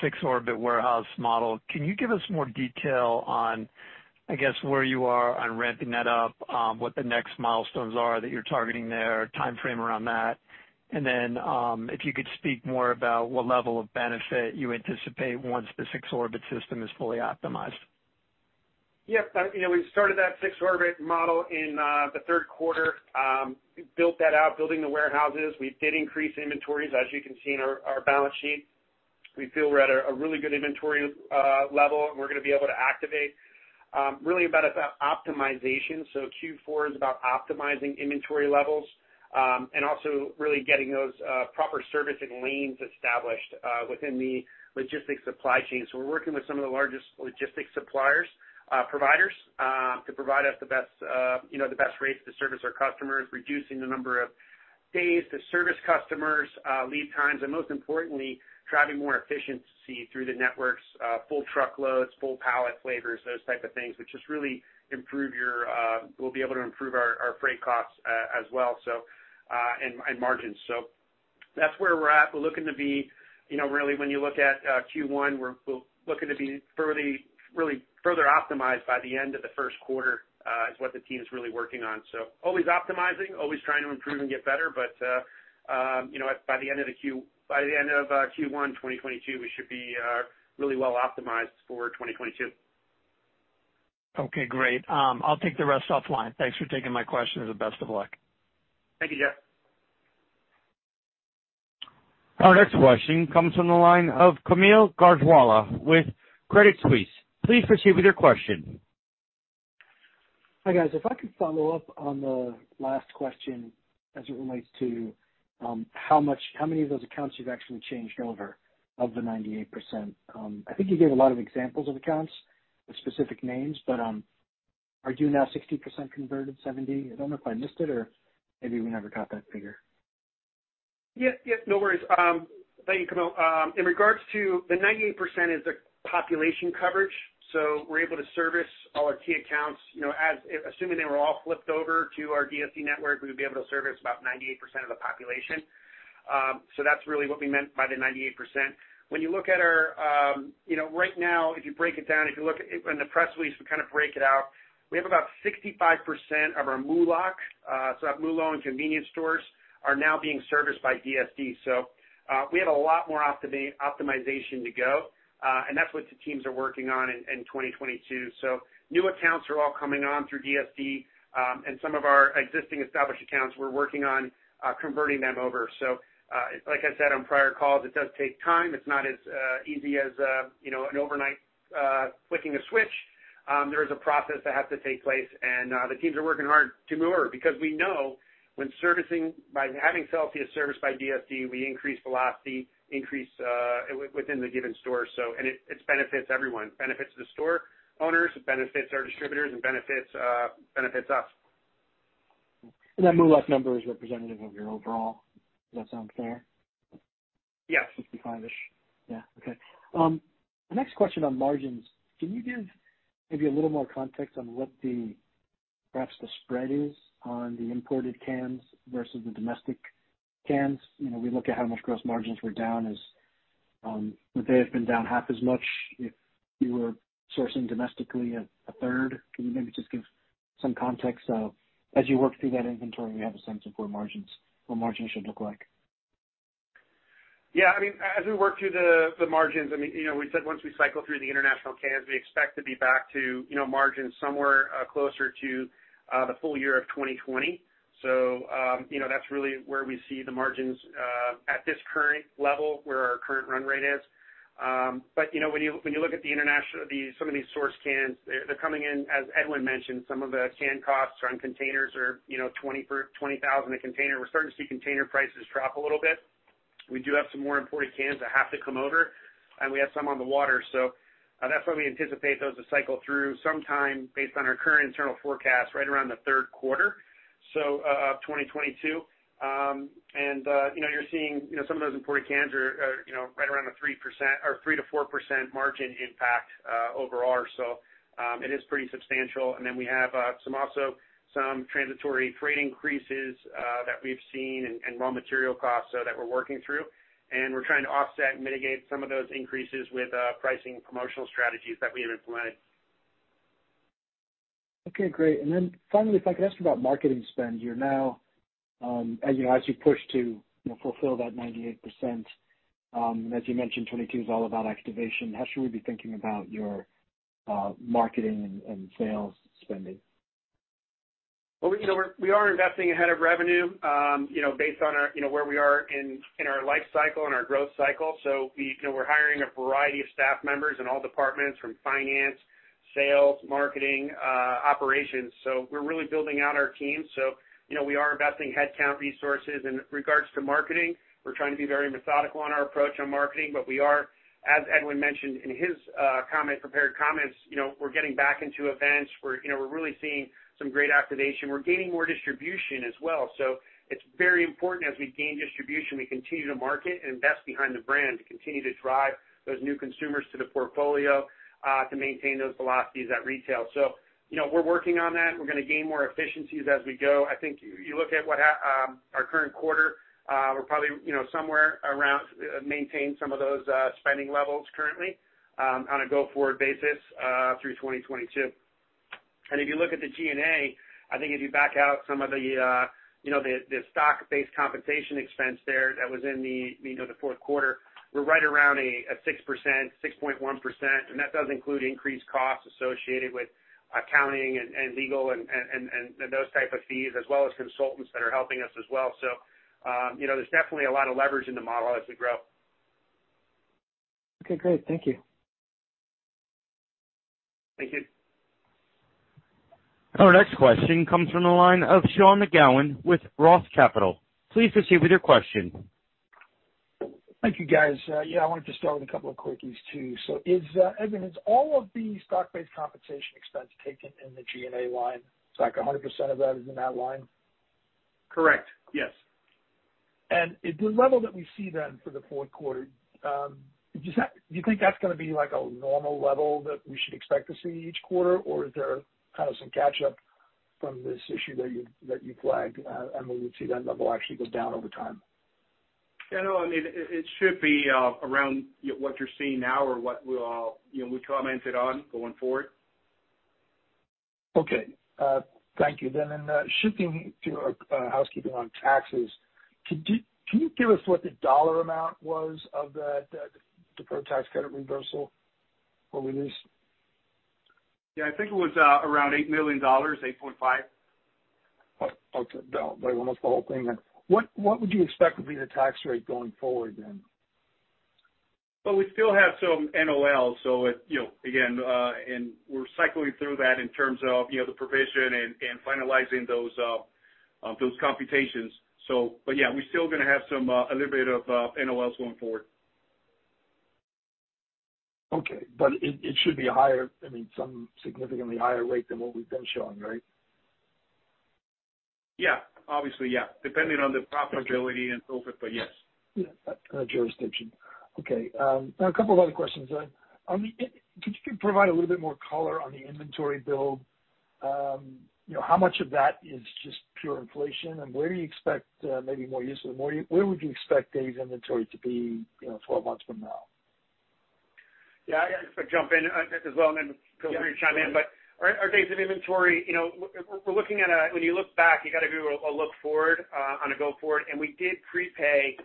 six-orbit warehouse model, can you give us more detail on, I guess, where you are on ramping that up, what the next milestones are that you're targeting there, timeframe around that? Then if you could speak more about what level of benefit you anticipate once the six-orbit system is fully optimized. Yes. You know, we started that six-orbit model in the third quarter. We built that out, building the warehouses. We did increase inventories, as you can see in our balance sheet. We feel we're at a really good inventory level, and we're gonna be able to activate really about optimization. Q4 is about optimizing inventory levels and also really getting those proper service and lanes established within the logistics supply chain. We're working with some of the largest logistics suppliers providers to provide us the best you know, the best rates to service our customers, reducing the number of days to service customers lead times, and most importantly, driving more efficiency through the network's full truckloads, full pallet flavors, those type of things, which just really improve your... We'll be able to improve our freight costs as well, so and margins. That's where we're at. We're looking to be, you know, really when you look at Q1, looking to be further really further optimized by the end of the first quarter, is what the team is really working on. Always optimizing, always trying to improve and get better, but you know, by the end of Q1 2022, we should be really well optimized for 2022. Okay, great. I'll take the rest offline. Thanks for taking my questions and best of luck. Thank you, Jeff. Our next question comes from the line of Kaumil Gajrawala with Credit Suisse. Please proceed with your question. Hi, guys. If I could follow up on the last question as it relates to how many of those accounts you've actually changed over of the 98%? I think you gave a lot of examples of accounts with specific names, but are you now 60% converted, 70%? I don't know if I missed it or maybe we never got that figure. Yeah, yeah, no worries. Thank you, Kaumil. In regards to the 98% is the population coverage. We're able to service all our key accounts. You know, assuming they were all flipped over to our DSD network, we would be able to service about 98% of the population. That's really what we meant by the 98%. When you look at our, you know, right now, if you break it down, if you look in the press release, we kind of break it out. We have about 65% of our MULO+C, so that MULO in convenience stores are now being serviced by DSD. We have a lot more optimization to go, and that's what the teams are working on in 2022. New accounts are all coming on through DSD, and some of our existing established accounts, we're working on converting them over. Like I said on prior calls, it does take time. It's not as easy as you know an overnight flipping a switch. There is a process that has to take place and the teams are working hard to move because we know when servicing by having Celsius serviced by DSD, we increase velocity, increase within the given store. It benefits everyone. It benefits the store owners, it benefits our distributors, and it benefits us. That MULO+C number is representative of your overall. Does that sound fair? Yes. 65%-ish. Yeah. Okay. The next question on margins. Can you give maybe a little more context on what the, perhaps the spread is on the imported cans versus the domestic cans? You know, we look at how much gross margins were down, would they have been down half as much if you were sourcing domestically at 1/3? Can you maybe just give some context of, as you work through that inventory, we have a sense of where margins should look like? Yeah. I mean, as we work through the margins, I mean, you know, we said once we cycle through the international cans, we expect to be back to, you know, margins somewhere closer to the full year of 2020. You know, that's really where we see the margins at this current level where our current run rate is. But you know, when you look at the international... The some of these source cans, they're coming in, as Edwin mentioned. Some of the can costs on containers are, you know, $20,000 a container. We're starting to see container prices drop a little bit. We do have some more imported cans that have to come over, and we have some on the water. That's why we anticipate those to cycle through sometime based on our current internal forecast, right around the third quarter of 2022. You know, you're seeing, you know, some of those imported cans are right around the 3% or 3%-4% margin impact overall. It is pretty substantial. We have some also transitory freight increases that we've seen and raw material costs that we're working through. We're trying to offset and mitigate some of those increases with pricing promotional strategies that we have implemented. Okay, great. Finally, if I could ask you about marketing spend. You're now, as you know, as you push to, you know, fulfill that 98%, as you mentioned, 2022 is all about activation. How should we be thinking about your marketing and sales spending? Well, you know, we are investing ahead of revenue, you know, based on our, you know, where we are in our life cycle and our growth cycle. We, you know, are hiring a variety of staff members in all departments from finance, sales, marketing, operations. We're really building out our team. You know, we are investing headcount resources. In regards to marketing, we're trying to be very methodical on our approach on marketing, but we are, as Edwin mentioned in his prepared comments, you know, we're getting back into events. We're, you know, really seeing some great activation. We're gaining more distribution as well. It's very important as we gain distribution, we continue to market and invest behind the brand to continue to drive those new consumers to the portfolio to maintain those velocities at retail. You know, we're working on that. We're gonna gain more efficiencies as we go. I think you look at our current quarter, we're probably, you know, somewhere around maintain some of those spending levels currently on a go-forward basis through 2022. If you look at the G&A, I think if you back out some of the stock-based compensation expense there that was in the fourth quarter, we're right around a 6%, 6.1%, and that does include increased costs associated with accounting and legal and those type of fees as well as consultants that are helping us as well. There's definitely a lot of leverage in the model as we grow. Okay, great. Thank you. Thank you. Our next question comes from the line of Sean McGowan with ROTH Capital. Please proceed with your question. Thank you, guys. Yeah, I wanted to start with a couple of quickies too. Edwin, is all of the stock-based compensation expense taken in the G&A line? It's like 100% of that is in that line? Correct. Yes. The level that we see then for the fourth quarter, do you think that's gonna be like a normal level that we should expect to see each quarter? Or is there kind of some catch up from this issue that you flagged, and we would see that level actually go down over time? Yeah, no, I mean, it should be around what you're seeing now or what we'll, you know, we commented on going forward. Okay. Thank you. Shifting to housekeeping on taxes. Can you give us what the dollar amount was of that deferred tax credit reversal or release? Yeah. I think it was around $8 million, $8.5 million. Okay. About almost the whole thing then. What would you expect would be the tax rate going forward then? Well, we still have some NOL. So, you know, again, and we're cycling through that in terms of, you know, the provision and finalizing those computations. But yeah, we're still gonna have some... A little bit of NOLs going forward. It should be higher. I mean, some significantly higher rate than what we've been showing, right? Yeah. Obviously, yeah. Depending on the profitability and profit, but yes. Yeah, jurisdiction. Okay. Now a couple of other questions then. Could you provide a little bit more color on the inventory build? You know, how much of that is just pure inflation? And where do you expect, maybe more usefully, where would you expect days inventory to be, you know, 12 months from now? Yeah, if I jump in as well, and then feel free to chime in. Our days of inventory, you know, we're looking at a... When you look back, you gotta do a look forward on a go-forward. We did prepay,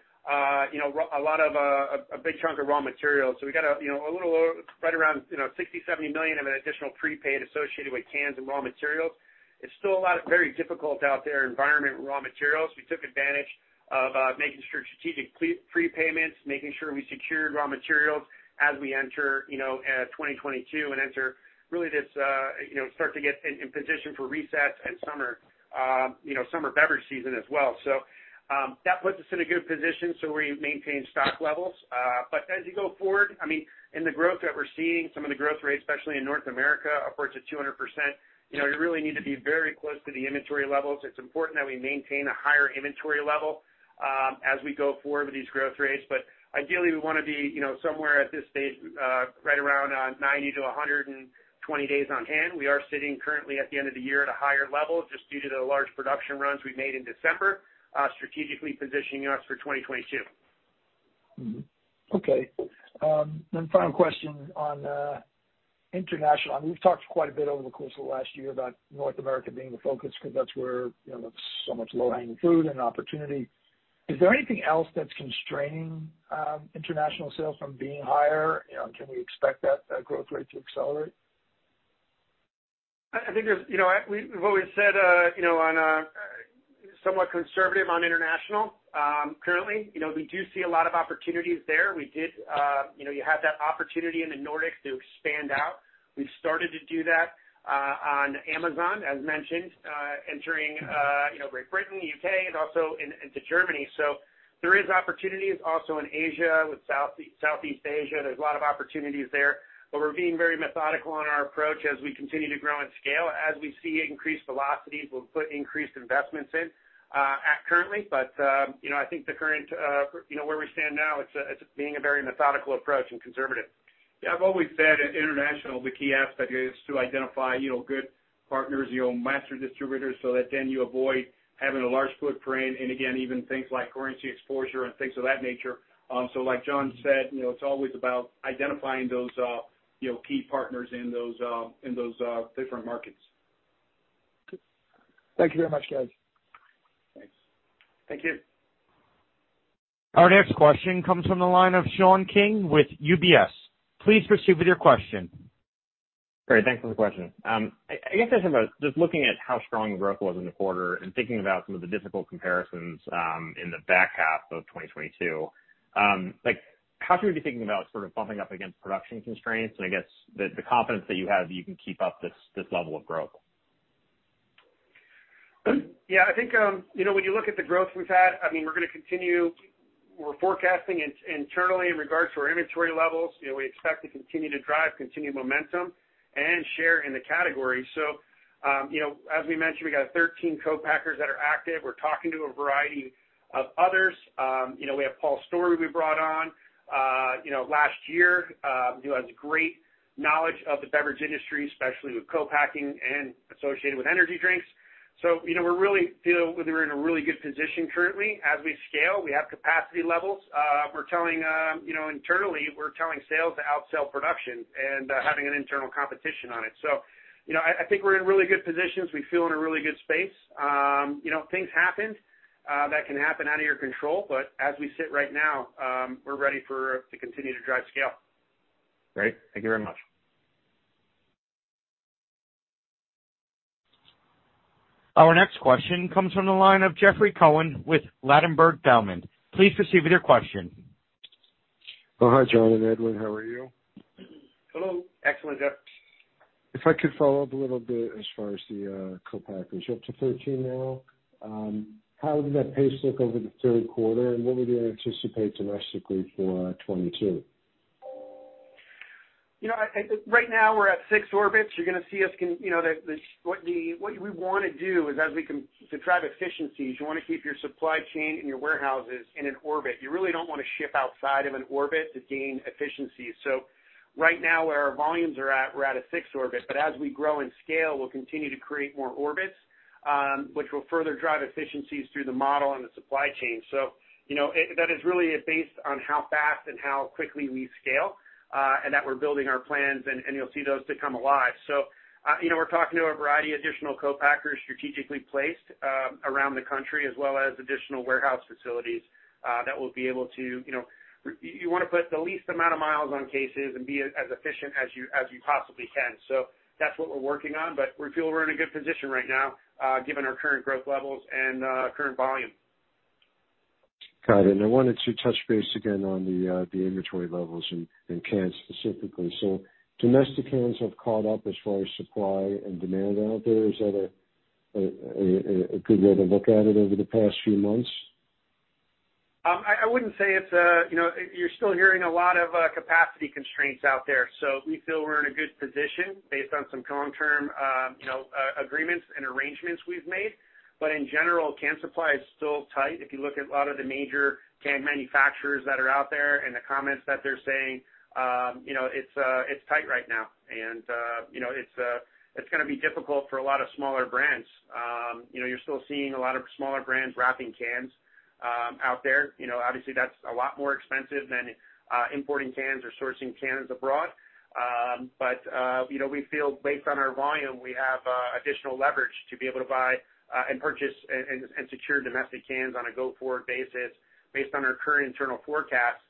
you know, a lot of a big chunk of raw materials. We got a little over right around, you know, $60 million-$70 million of an additional prepaid associated with cans and raw materials. It's still a very difficult environment out there for raw materials. We took advantage of making sure strategic prepayments, making sure we secured raw materials as we enter, you know, 2022 and enter really this, you know, start to get in position for recession and summer, you know, summer beverage season as well. That puts us in a good position so we maintain stock levels. As you go forward, I mean, in the growth that we're seeing, some of the growth rates, especially in North America, upwards of 200%, you know, you really need to be very close to the inventory levels. It's important that we maintain a higher inventory level, as we go forward with these growth rates. Ideally, we wanna be, you know, somewhere at this stage, right around, 90-120 days on hand. We are sitting currently at the end of the year at a higher level just due to the large production runs we made in December, strategically positioning us for 2022. Okay. Final question on international. I mean, we've talked quite a bit over the course of the last year about North America being the focus 'cause that's where, you know, there's so much low hanging fruit and opportunity. Is there anything else that's constraining international sales from being higher? You know, can we expect that growth rate to accelerate? I think there's you know, we've always said you know, somewhat conservative on international currently. You know, we do see a lot of opportunities there. You had that opportunity in the Nordics to expand out. We've started to do that on Amazon, as mentioned, entering you know, Great Britain, U.K. and also into Germany. There is opportunities also in Asia with South, Southeast Asia. There's a lot of opportunities there. We're being very methodical on our approach as we continue to grow and scale. As we see increased velocities, we'll put increased investments in that currently. You know, I think the current you know, where we stand now, it's being a very methodical approach and conservative. Yeah. I've always said at international, the key aspect is to identify, you know, good partners, you know, master distributors, so that then you avoid having a large footprint and again, even things like currency exposure and things of that nature. Like John said, you know, it's always about identifying those, you know, key partners in those different markets. Thank you very much, guys. Thanks. Thank you. Our next question comes from the line of Sean King with UBS. Please proceed with your question. Great. Thanks for the question. I guess I said about just looking at how strong the growth was in the quarter and thinking about some of the difficult comparisons, in the back half of 2022, like, how should we be thinking about sort of bumping up against production constraints? I guess the confidence that you have that you can keep up this level of growth. Yeah. I think, you know, when you look at the growth we've had, I mean, we're gonna continue. We're forecasting internally in regards to our inventory levels. You know, we expect to continue to drive continued momentum and share in the category. As we mentioned, we got 13 co-packers that are active. We're talking to a variety of others. You know, we have Paul Storey we brought on, you know, last year, who has great knowledge of the beverage industry, especially with co-packing and associated with energy drinks. You know, we really feel we're in a really good position currently. As we scale, we have capacity levels. We're telling, you know, internally, we're telling sales to outsell production and having an internal competition on it. You know, I think we're in really good positions. We feel in a really good space. You know, things happened that can happen out of your control, but as we sit right now, we're ready for to continue to drive scale. Great. Thank you very much. Our next question comes from the line of Jeffrey Cohen with Ladenburg Thalmann. Please proceed with your question. Oh. Hi, John and Edwin. How are you? Hello. Excellent, Jeff. If I could follow up a little bit as far as the co-packers. You're up to 13 now. How did that pace look over the third quarter, and what would you anticipate domestically for 2022? You know, right now we're at six orbits. You're gonna see us, you know, what we wanna do is as we can to drive efficiencies. You wanna keep your supply chain and your warehouses in an orbit. You really don't wanna ship outside of an orbit to gain efficiencies. Right now, where our volumes are at, we're at a six orbit. But as we grow and scale, we'll continue to create more orbits, which will further drive efficiencies through the model and the supply chain. You know, that is really based on how fast and how quickly we scale, and that we're building our plans and you'll see those to come alive. You know, we're talking to a variety of additional co-packers strategically placed around the country as well as additional warehouse facilities that we'll be able to, you know... you wanna put the least amount of miles on cases and be as efficient as you possibly can. That's what we're working on, but we feel we're in a good position right now, given our current growth levels and current volume. Got it. I wanted to touch base again on the inventory levels in cans specifically. Domestic cans have caught up as far as supply and demand out there. Is that a good way to look at it over the past few months? I wouldn't say. You know, you're still hearing a lot of capacity constraints out there, so we feel we're in a good position based on some long-term you know agreements and arrangements we've made. In general, can supply is still tight. If you look at a lot of the major can manufacturers that are out there and the comments that they're saying, you know, it's tight right now. You know, it's gonna be difficult for a lot of smaller brands. You know, you're still seeing a lot of smaller brands wrapping cans out there. You know, obviously that's a lot more expensive than importing cans or sourcing cans abroad. You know, we feel based on our volume, we have additional leverage to be able to buy and purchase and secure domestic cans on a go-forward basis based on our current internal forecast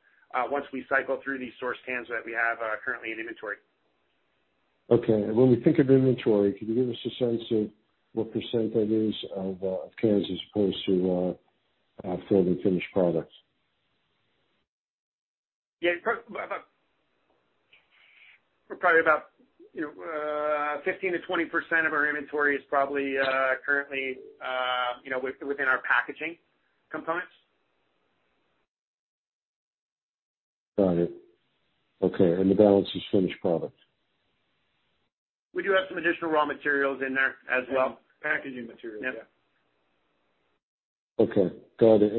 once we cycle through these sourced cans that we have currently in inventory. Okay. When we think of inventory, can you give us a sense of what percent that is of cans as opposed to filled and finished products? Probably about, you know, 15%-20% of our inventory is probably currently, you know, within our packaging components. Got it. Okay, and the balance is finished product. We do have some additional raw materials in there as well. Packaging materials, yeah. Okay, got it.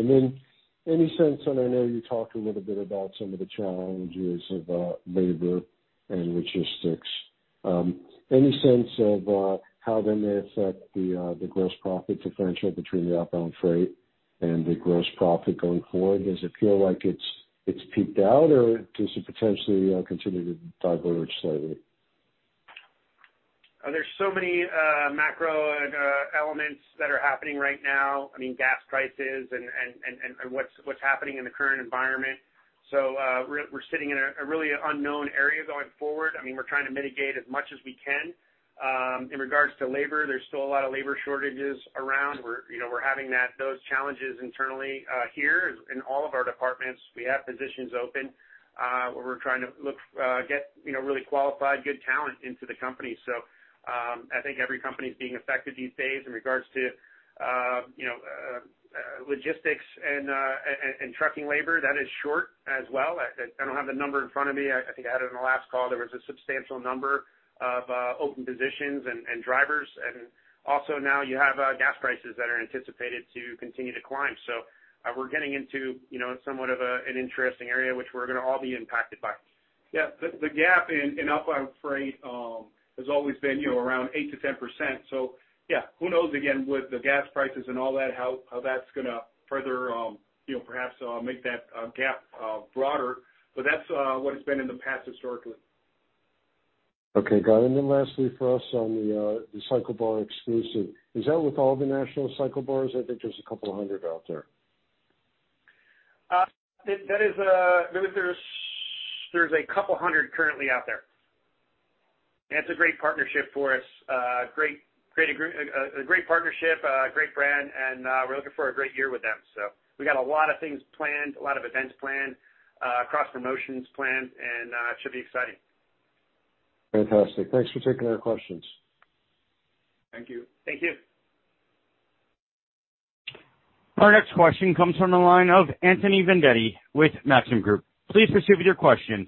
Any sense, and I know you talked a little bit about some of the challenges of labor and logistics. Any sense of how they may affect the gross profit differential between the outbound freight and the gross profit going forward? Does it feel like it's peaked out, or does it potentially continue to diverge slightly? There's so many macro elements that are happening right now, I mean, gas prices and what's happening in the current environment. We're sitting in a really unknown area going forward. I mean, we're trying to mitigate as much as we can. In regards to labor, there's still a lot of labor shortages around. We're, you know, we're having that, those challenges internally here in all of our departments. We have positions open where we're trying to get, you know, really qualified, good talent into the Company. I think every company's being affected these days in regards to, you know, logistics and trucking labor. That is short as well. I don't have the number in front of me. I think I had it on the last call. There was a substantial number of open positions and drivers. Also now you have gas prices that are anticipated to continue to climb. We're getting into you know somewhat of an interesting area which we're gonna all be impacted by. Yeah. The gap in outbound freight has always been, you know, around 8%-10%. Yeah, who knows, again, with the gas prices and all that, how that's gonna further, you know, perhaps make that gap broader. That's what it's been in the past historically. Okay, got it. Lastly for us on the CycleBar exclusive, is that with all the national CycleBars? I think there's a couple hundred out there. That is, there's a couple hundred currently out there. It's a great partnership for us. A great partnership, a great brand, and we're looking for a great year with them. We got a lot of things planned, a lot of events planned, cross-promotions planned, and it should be exciting. Fantastic. Thanks for taking our questions. Thank you. Thank you. Our next question comes from the line of Anthony Vendetti with Maxim Group. Please proceed with your question.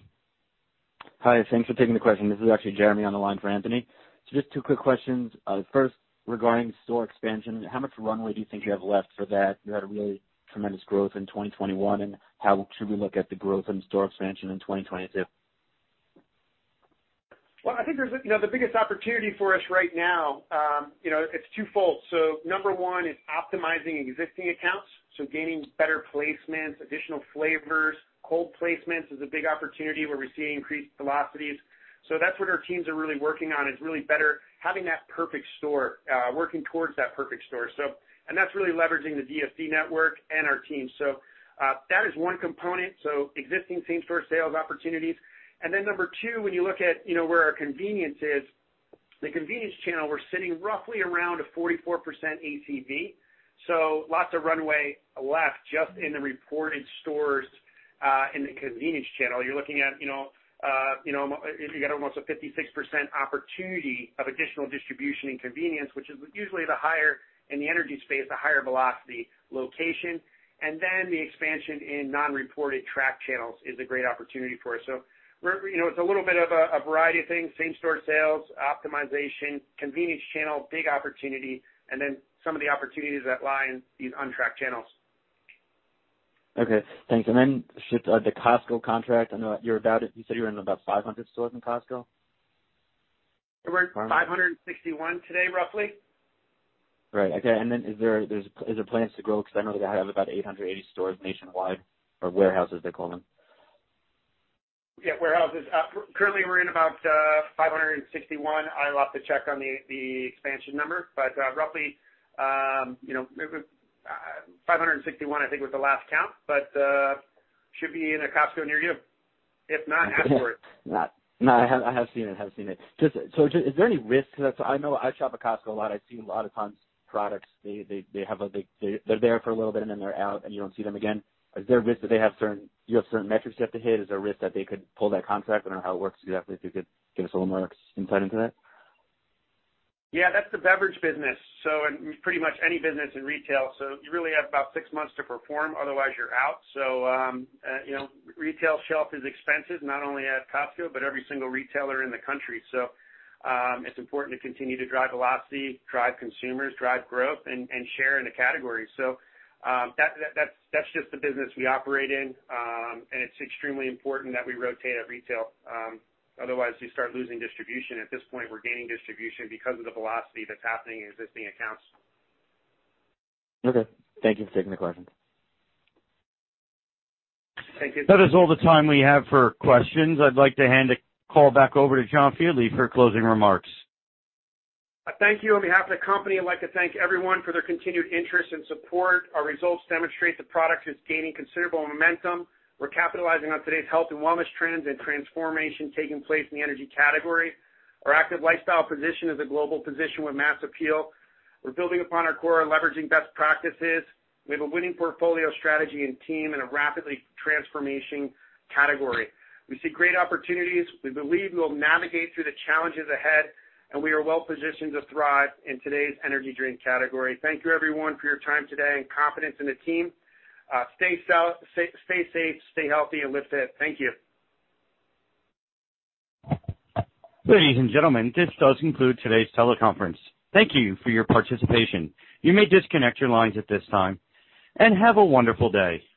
Hi, thanks for taking the question. This is actually Jeremy on the line for Anthony. Just two quick questions. First, regarding store expansion, how much runway do you think you have left for that? You had a really tremendous growth in 2021, and how should we look at the growth and store expansion in 2022? Well, I think there's, you know, the biggest opportunity for us right now, you know, it's twofold. Number one is optimizing existing accounts, so gaining better placements, additional flavors. Cold placements is a big opportunity where we're seeing increased velocities. That's what our teams are really working on, working towards that perfect store. That's really leveraging the DSD network and our team. That is one component, existing same-store sales opportunities. Then number two, when you look at, you know, where our convenience is, the convenience channel, we're sitting roughly around a 44% ACV. Lots of runway left just in the reported stores in the convenience channel. You're looking at, you know, you know, if you've got almost a 56% opportunity of additional distribution and convenience, which is usually the higher in the energy space, the higher velocity location. Then the expansion in non-reported tracked channels is a great opportunity for us. You know, it's a little bit of a variety of things, same-store sales, optimization, convenience channel, big opportunity, and then some of the opportunities that lie in these untracked channels. Okay, thanks. The Costco contract, I know you said you're in about 500 stores in Costco? We're in 561 stores today, roughly. Right. Okay. Is there plans to grow? Because I know they have about 880 stores nationwide, or warehouses they call them. Yeah, warehouses. Currently, we're in about 561 stores. I'll have to check on the expansion number. Roughly, you know, maybe 561 stores, I think, was the last count. Should be in a Costco near you. If not, ask for it. No, I have seen it. Just, is there any risk to that? I know I shop at Costco a lot. I've seen a lot of times products. They have a, they're there for a little bit, and then they're out, and you don't see them again. Is there a risk that they have certain, you have certain metrics you have to hit? Is there a risk that they could pull that contract? I don't know how it works exactly. If you could give us a little more insight into that. Yeah, that's the beverage business. Pretty much any business in retail. You really have about six months to perform, otherwise you're out. You know, retail shelf is expensive. Not only at Costco, but every single retailer in the country. It's important to continue to drive velocity, drive consumers, drive growth and share in the category. That's just the business we operate in. It's extremely important that we rotate at retail, otherwise you start losing distribution. At this point, we're gaining distribution because of the velocity that's happening in existing accounts. Okay. Thank you for taking the question. Thank you. That is all the time we have for questions. I'd like to hand the call back over to John Fieldly for closing remarks. Thank you. On behalf of the Company, I'd like to thank everyone for their continued interest and support. Our results demonstrate the product is gaining considerable momentum. We're capitalizing on today's health and wellness trends and transformation taking place in the energy category. Our active lifestyle position is a global position with mass appeal. We're building upon our core and leveraging best practices. We have a winning portfolio strategy and team in a rapidly transforming category. We see great opportunities. We believe we'll navigate through the challenges ahead, and we are well positioned to thrive in today's energy drink category. Thank you everyone for your time today and confidence in the team. Stay safe, stay healthy, and lift it. Thank you. Ladies and gentlemen, this does conclude today's teleconference. Thank you for your participation. You may disconnect your lines at this time, and have a wonderful day.